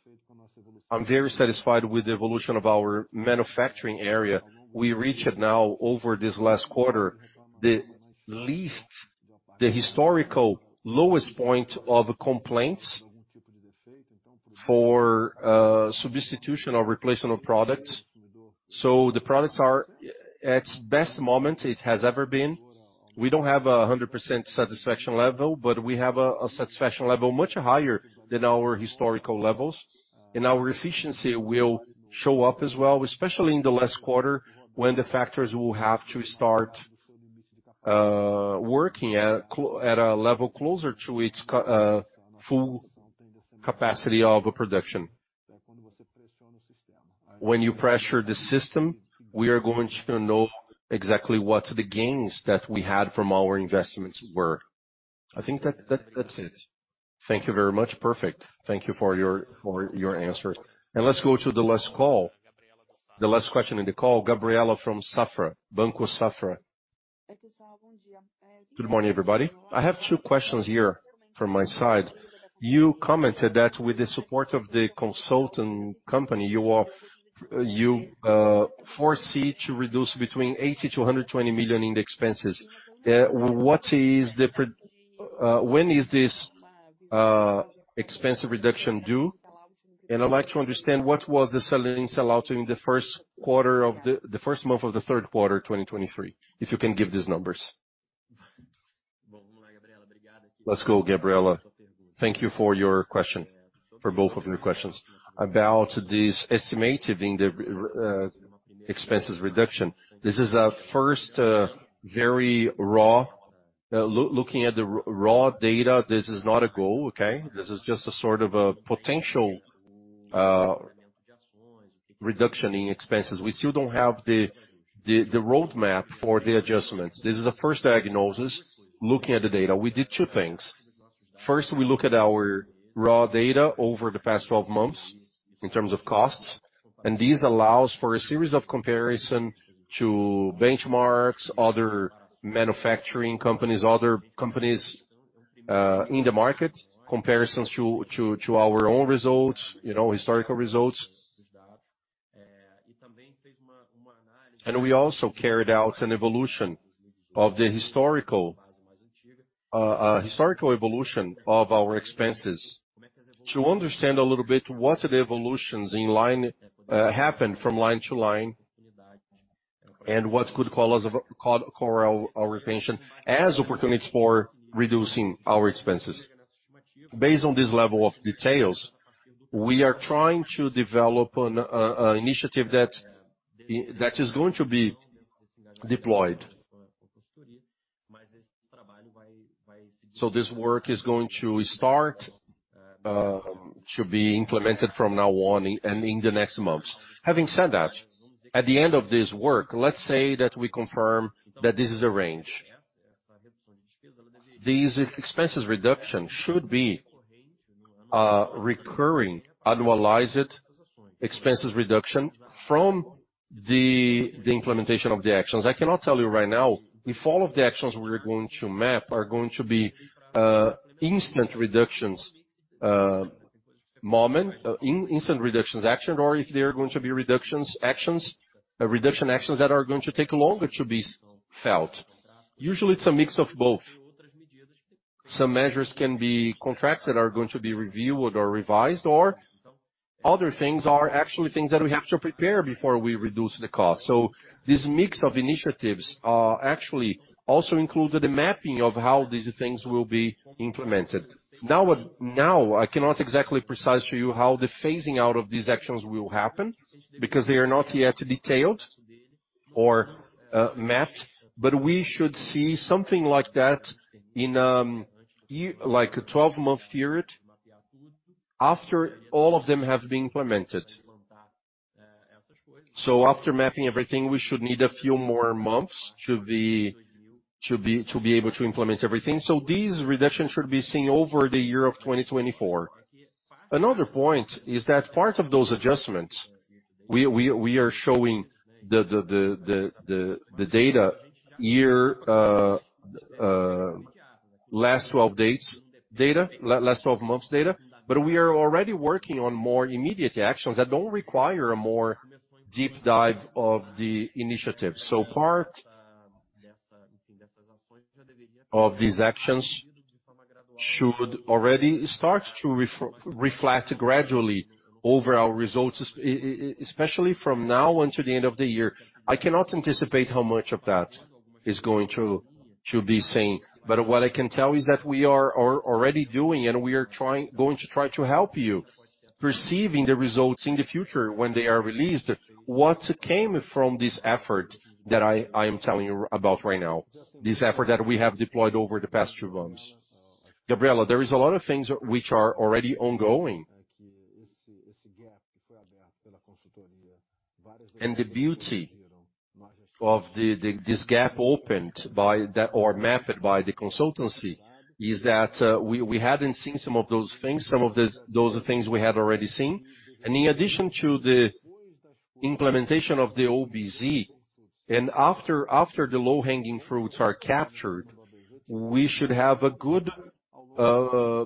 I'm very satisfied with the evolution of our manufacturing area. We reached now, over this last quarter, the least, the historical lowest point of complaints for substitution or replacement of products. The products are at its best moment it has ever been. We don't have a 100% satisfaction level, but we have a, a satisfaction level much higher than our historical levels, and our efficiency will show up as well, especially in the last quarter, when the factors will have to start working at a level closer to its full capacity of a production. When you pressure the system, we are going to know exactly what the gains that we had from our investments were. I think that, that, that's it. Thank you very much. Perfect. Thank you for your, for your answer. Let's go to the last call. The last question in the call, Gabriela from Safra. Banco Safra. Good morning, everybody. I have two questions here from my side. You commented that with the support of the consultant company, you are- you foresee to reduce between 80 million-120 million in the expenses. What is the pre- when is this expense reduction due? I'd like to understand, what was the selling sellout in the first quarter of the first month of the third quarter, 2023, if you can give these numbers. Let's go, Gabriela. Thank you for your question, for both of your questions. About this estimative in the expenses reduction, this is a first, very raw, looking at the raw data, this is not a goal, okay? This is just a sort of a potential reduction in expenses. We still don't have the roadmap for the adjustments. This is a first diagnosis, looking at the data. We did two things. First, we looked at our raw data over the past 12 months in terms of costs, and this allows for a series of comparison to benchmarks, other manufacturing companies, other companies in the market, comparisons to our own results, you know, historical results. We also carried out an evolution of the historical, historical evolution of our expenses to understand a little bit what the evolutions in line happened from line to line, and what could call us, call our attention as opportunities for reducing our expenses. Based on this level of details, we are trying to develop an initiative that is going to be deployed. This work is going to start to be implemented from now on, and in the next months. Having said that, at the end of this work, let's say that we confirm that this is a range. These expenses reduction should be recurring, annualized, expenses reduction from the, the implementation of the actions. I cannot tell you right now if all of the actions we are going to map are going to be instant reductions, instant reductions action, or if they are going to be reductions actions, reduction actions that are going to take longer to be felt. Usually, it's a mix of both. Some measures can be contracts that are going to be reviewed or revised, or other things are actually things that we have to prepare before we reduce the cost. This mix of initiatives, actually also include the mapping of how these things will be implemented. Now, I cannot exactly precise to you how the phasing out of these actions will happen, because they are not yet detailed or mapped, but we should see something like that in year, like a 12-month period, after all of them have been implemented. After mapping everything, we should need a few more months to be able to implement everything. These reductions should be seen over the year of 2024. Another point is that part of those adjustments, we are showing the data year, last 12 dates data, last 12 months data, but we are already working on more immediate actions that don't require a more deep dive of the initiative. Part of these actions should already start to reflect gradually over our results, especially from now until the end of the year. I cannot anticipate how much of that is going to, to be seen, but what I can tell you is that we are already doing, and we are going to try to help you, perceiving the results in the future when they are released, what came from this effort that I, I am telling you about right now, this effort that we have deployed over the past few months. Gabriela, there is a lot of things which are already ongoing. The beauty of the, the, this gap opened by the, or mapped by the consultancy, is that we, we hadn't seen some of those things, some of the, those things we had already seen. In addition to the implementation of the OBZ, and after, after the low-hanging fruits are captured, we should have a good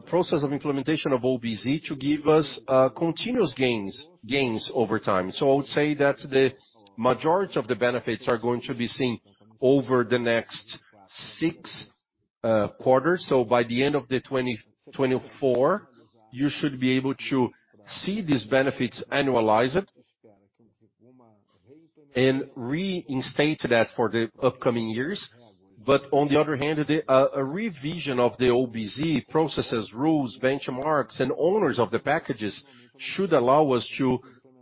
process of implementation of OBZ to give us continuous gains, gains over time. I would say that the majority of the benefits are going to be seen over the next six quarter. By the end of 2024, you should be able to see these benefits, annualize it, and reinstate that for the upcoming years. On the other hand, the a revision of the OBZ processes, rules, benchmarks, and owners of the packages should allow us to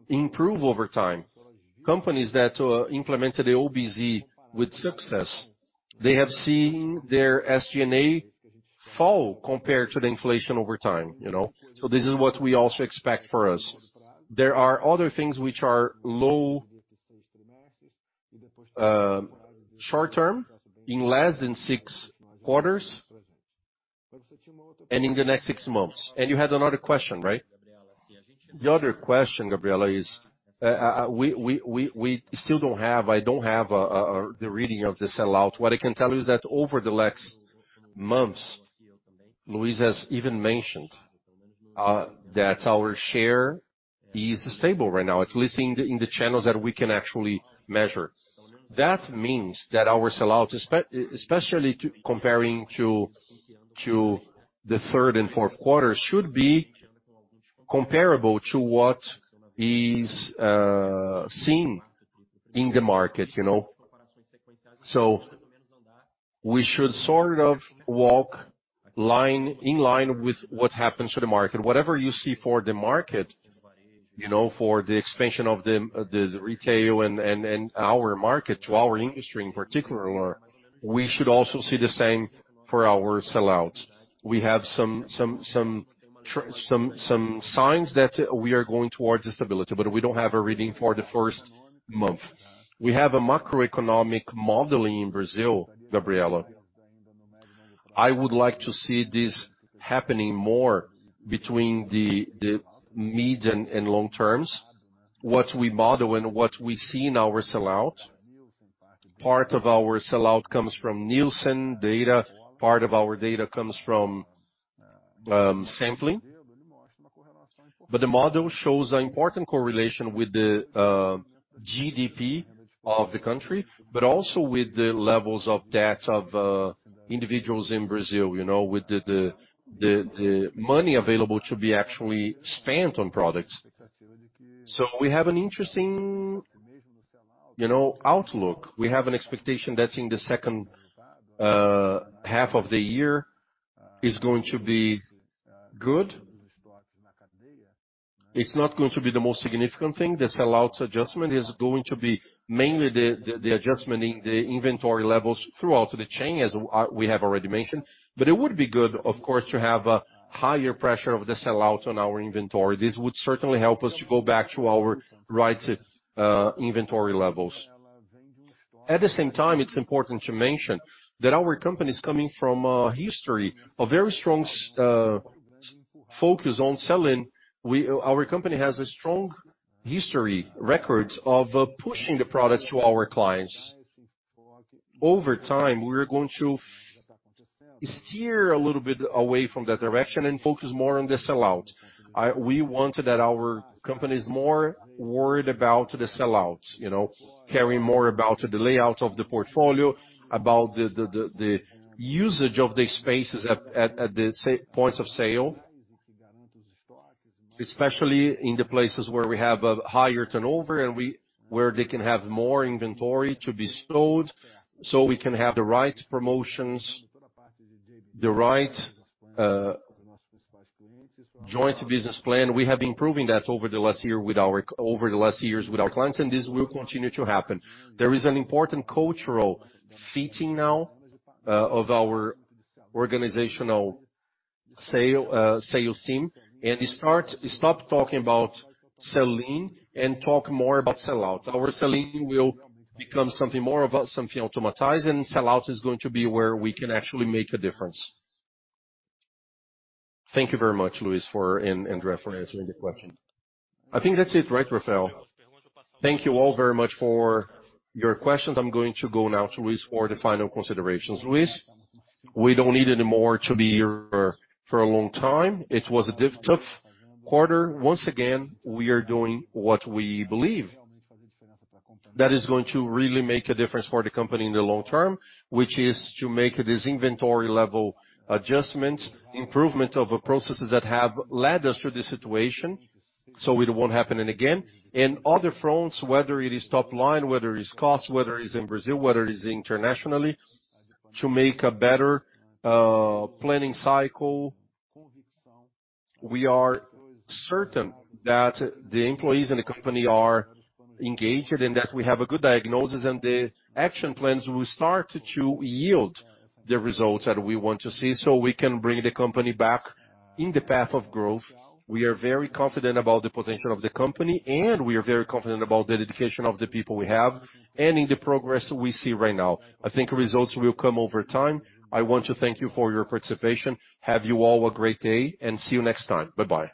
improve over time. Companies that implemented the OBZ with success, they have seen their SG&A fall compared to the inflation over time, you know? This is what we also expect for us. There are other things which are low, short-term, in less than six quarters, in the next six months. You had another question, right? The other question, Gabriela, is, we still don't have-- I don't have a, a, a, the reading of the sellout. What I can tell you is that over the last months, Luiz has even mentioned that our share is stable right now, at least in the, in the channels that we can actually measure. That means that our sellout, especially to, comparing to, to the 3rd and 4th quarter, should be comparable to what is seen in the market, you know? We should sort of walk line, in line with what happens to the market. Whatever you see for the market, you know, for the expansion of the, the retail and, and, and our market, to our industry in particular, we should also see the same for our sellout. We have some, some, some signs that we are going towards stability, but we don't have a reading for the first month. We have a macroeconomic modeling in Brazil, Gabriela. I would like to see this happening more between the, the mid and, and long terms, what we model and what we see in our sellout. Part of our sellout comes from Nielsen data, part of our data comes from sampling. The model shows an important correlation with the GDP of the country, but also with the levels of debt of individuals in Brazil, you know, with the, the, the, the money available to be actually spent on products. We have an interesting, you know, outlook. We have an expectation that in the second half of the year is going to be good. It's not going to be the most significant thing. The sell-out adjustment is going to be mainly the, the, the adjustment in the inventory levels throughout the chain, as we have already mentioned. It would be good, of course, to have a higher pressure of the sell-out on our inventory. This would certainly help us to go back to our right inventory levels. At the same time, it's important to mention that our company is coming from a history, a very strong focus on sell-in. Our company has a strong history, records of pushing the products to our clients. Over time, we are going to steer a little bit away from that direction and focus more on the sellout. We want that our company is more worried about the sellout, you know, caring more about the layout of the portfolio, about the usage of the spaces at the points of sale, especially in the places where we have a higher turnover and where they can have more inventory to be sold, so we can have the right promotions, the right joint business plan. We have been proving that over the last year with our-- over the last years with our clients, and this will continue to happen. There is an important cultural fitting now of our organizational sales team, and stop talking about selling and talk more about sellout. Our selling will become something more about something automatized. Sellout is going to be where we can actually make a difference. Thank you very much, Luiz, for and André, for answering the question. I think that's it, right, Rafael? Thank you all very much for your questions. I'm going to go now to Luiz for the final considerations. Luiz, we don't need anymore to be here for a long time. It was a tough quarter. Once again, we are doing what we believe. That is going to really make a difference for the company in the long term, which is to make this inventory level adjustments, improvement of a processes that have led us to this situation, so it won't happen again. In other fronts, whether it is top line, whether it's cost, whether it's in Brazil, whether it is internationally, to make a better planning cycle, we are certain that the employees in the company are engaged, and that we have a good diagnosis, and the action plans will start to yield the results that we want to see. We can bring the company back in the path of growth. We are very confident about the potential of the company, and we are very confident about the dedication of the people we have and in the progress we see right now. I think results will come over time. I want to thank you for your participation. Have you all a great day, and see you next time. Bye-bye.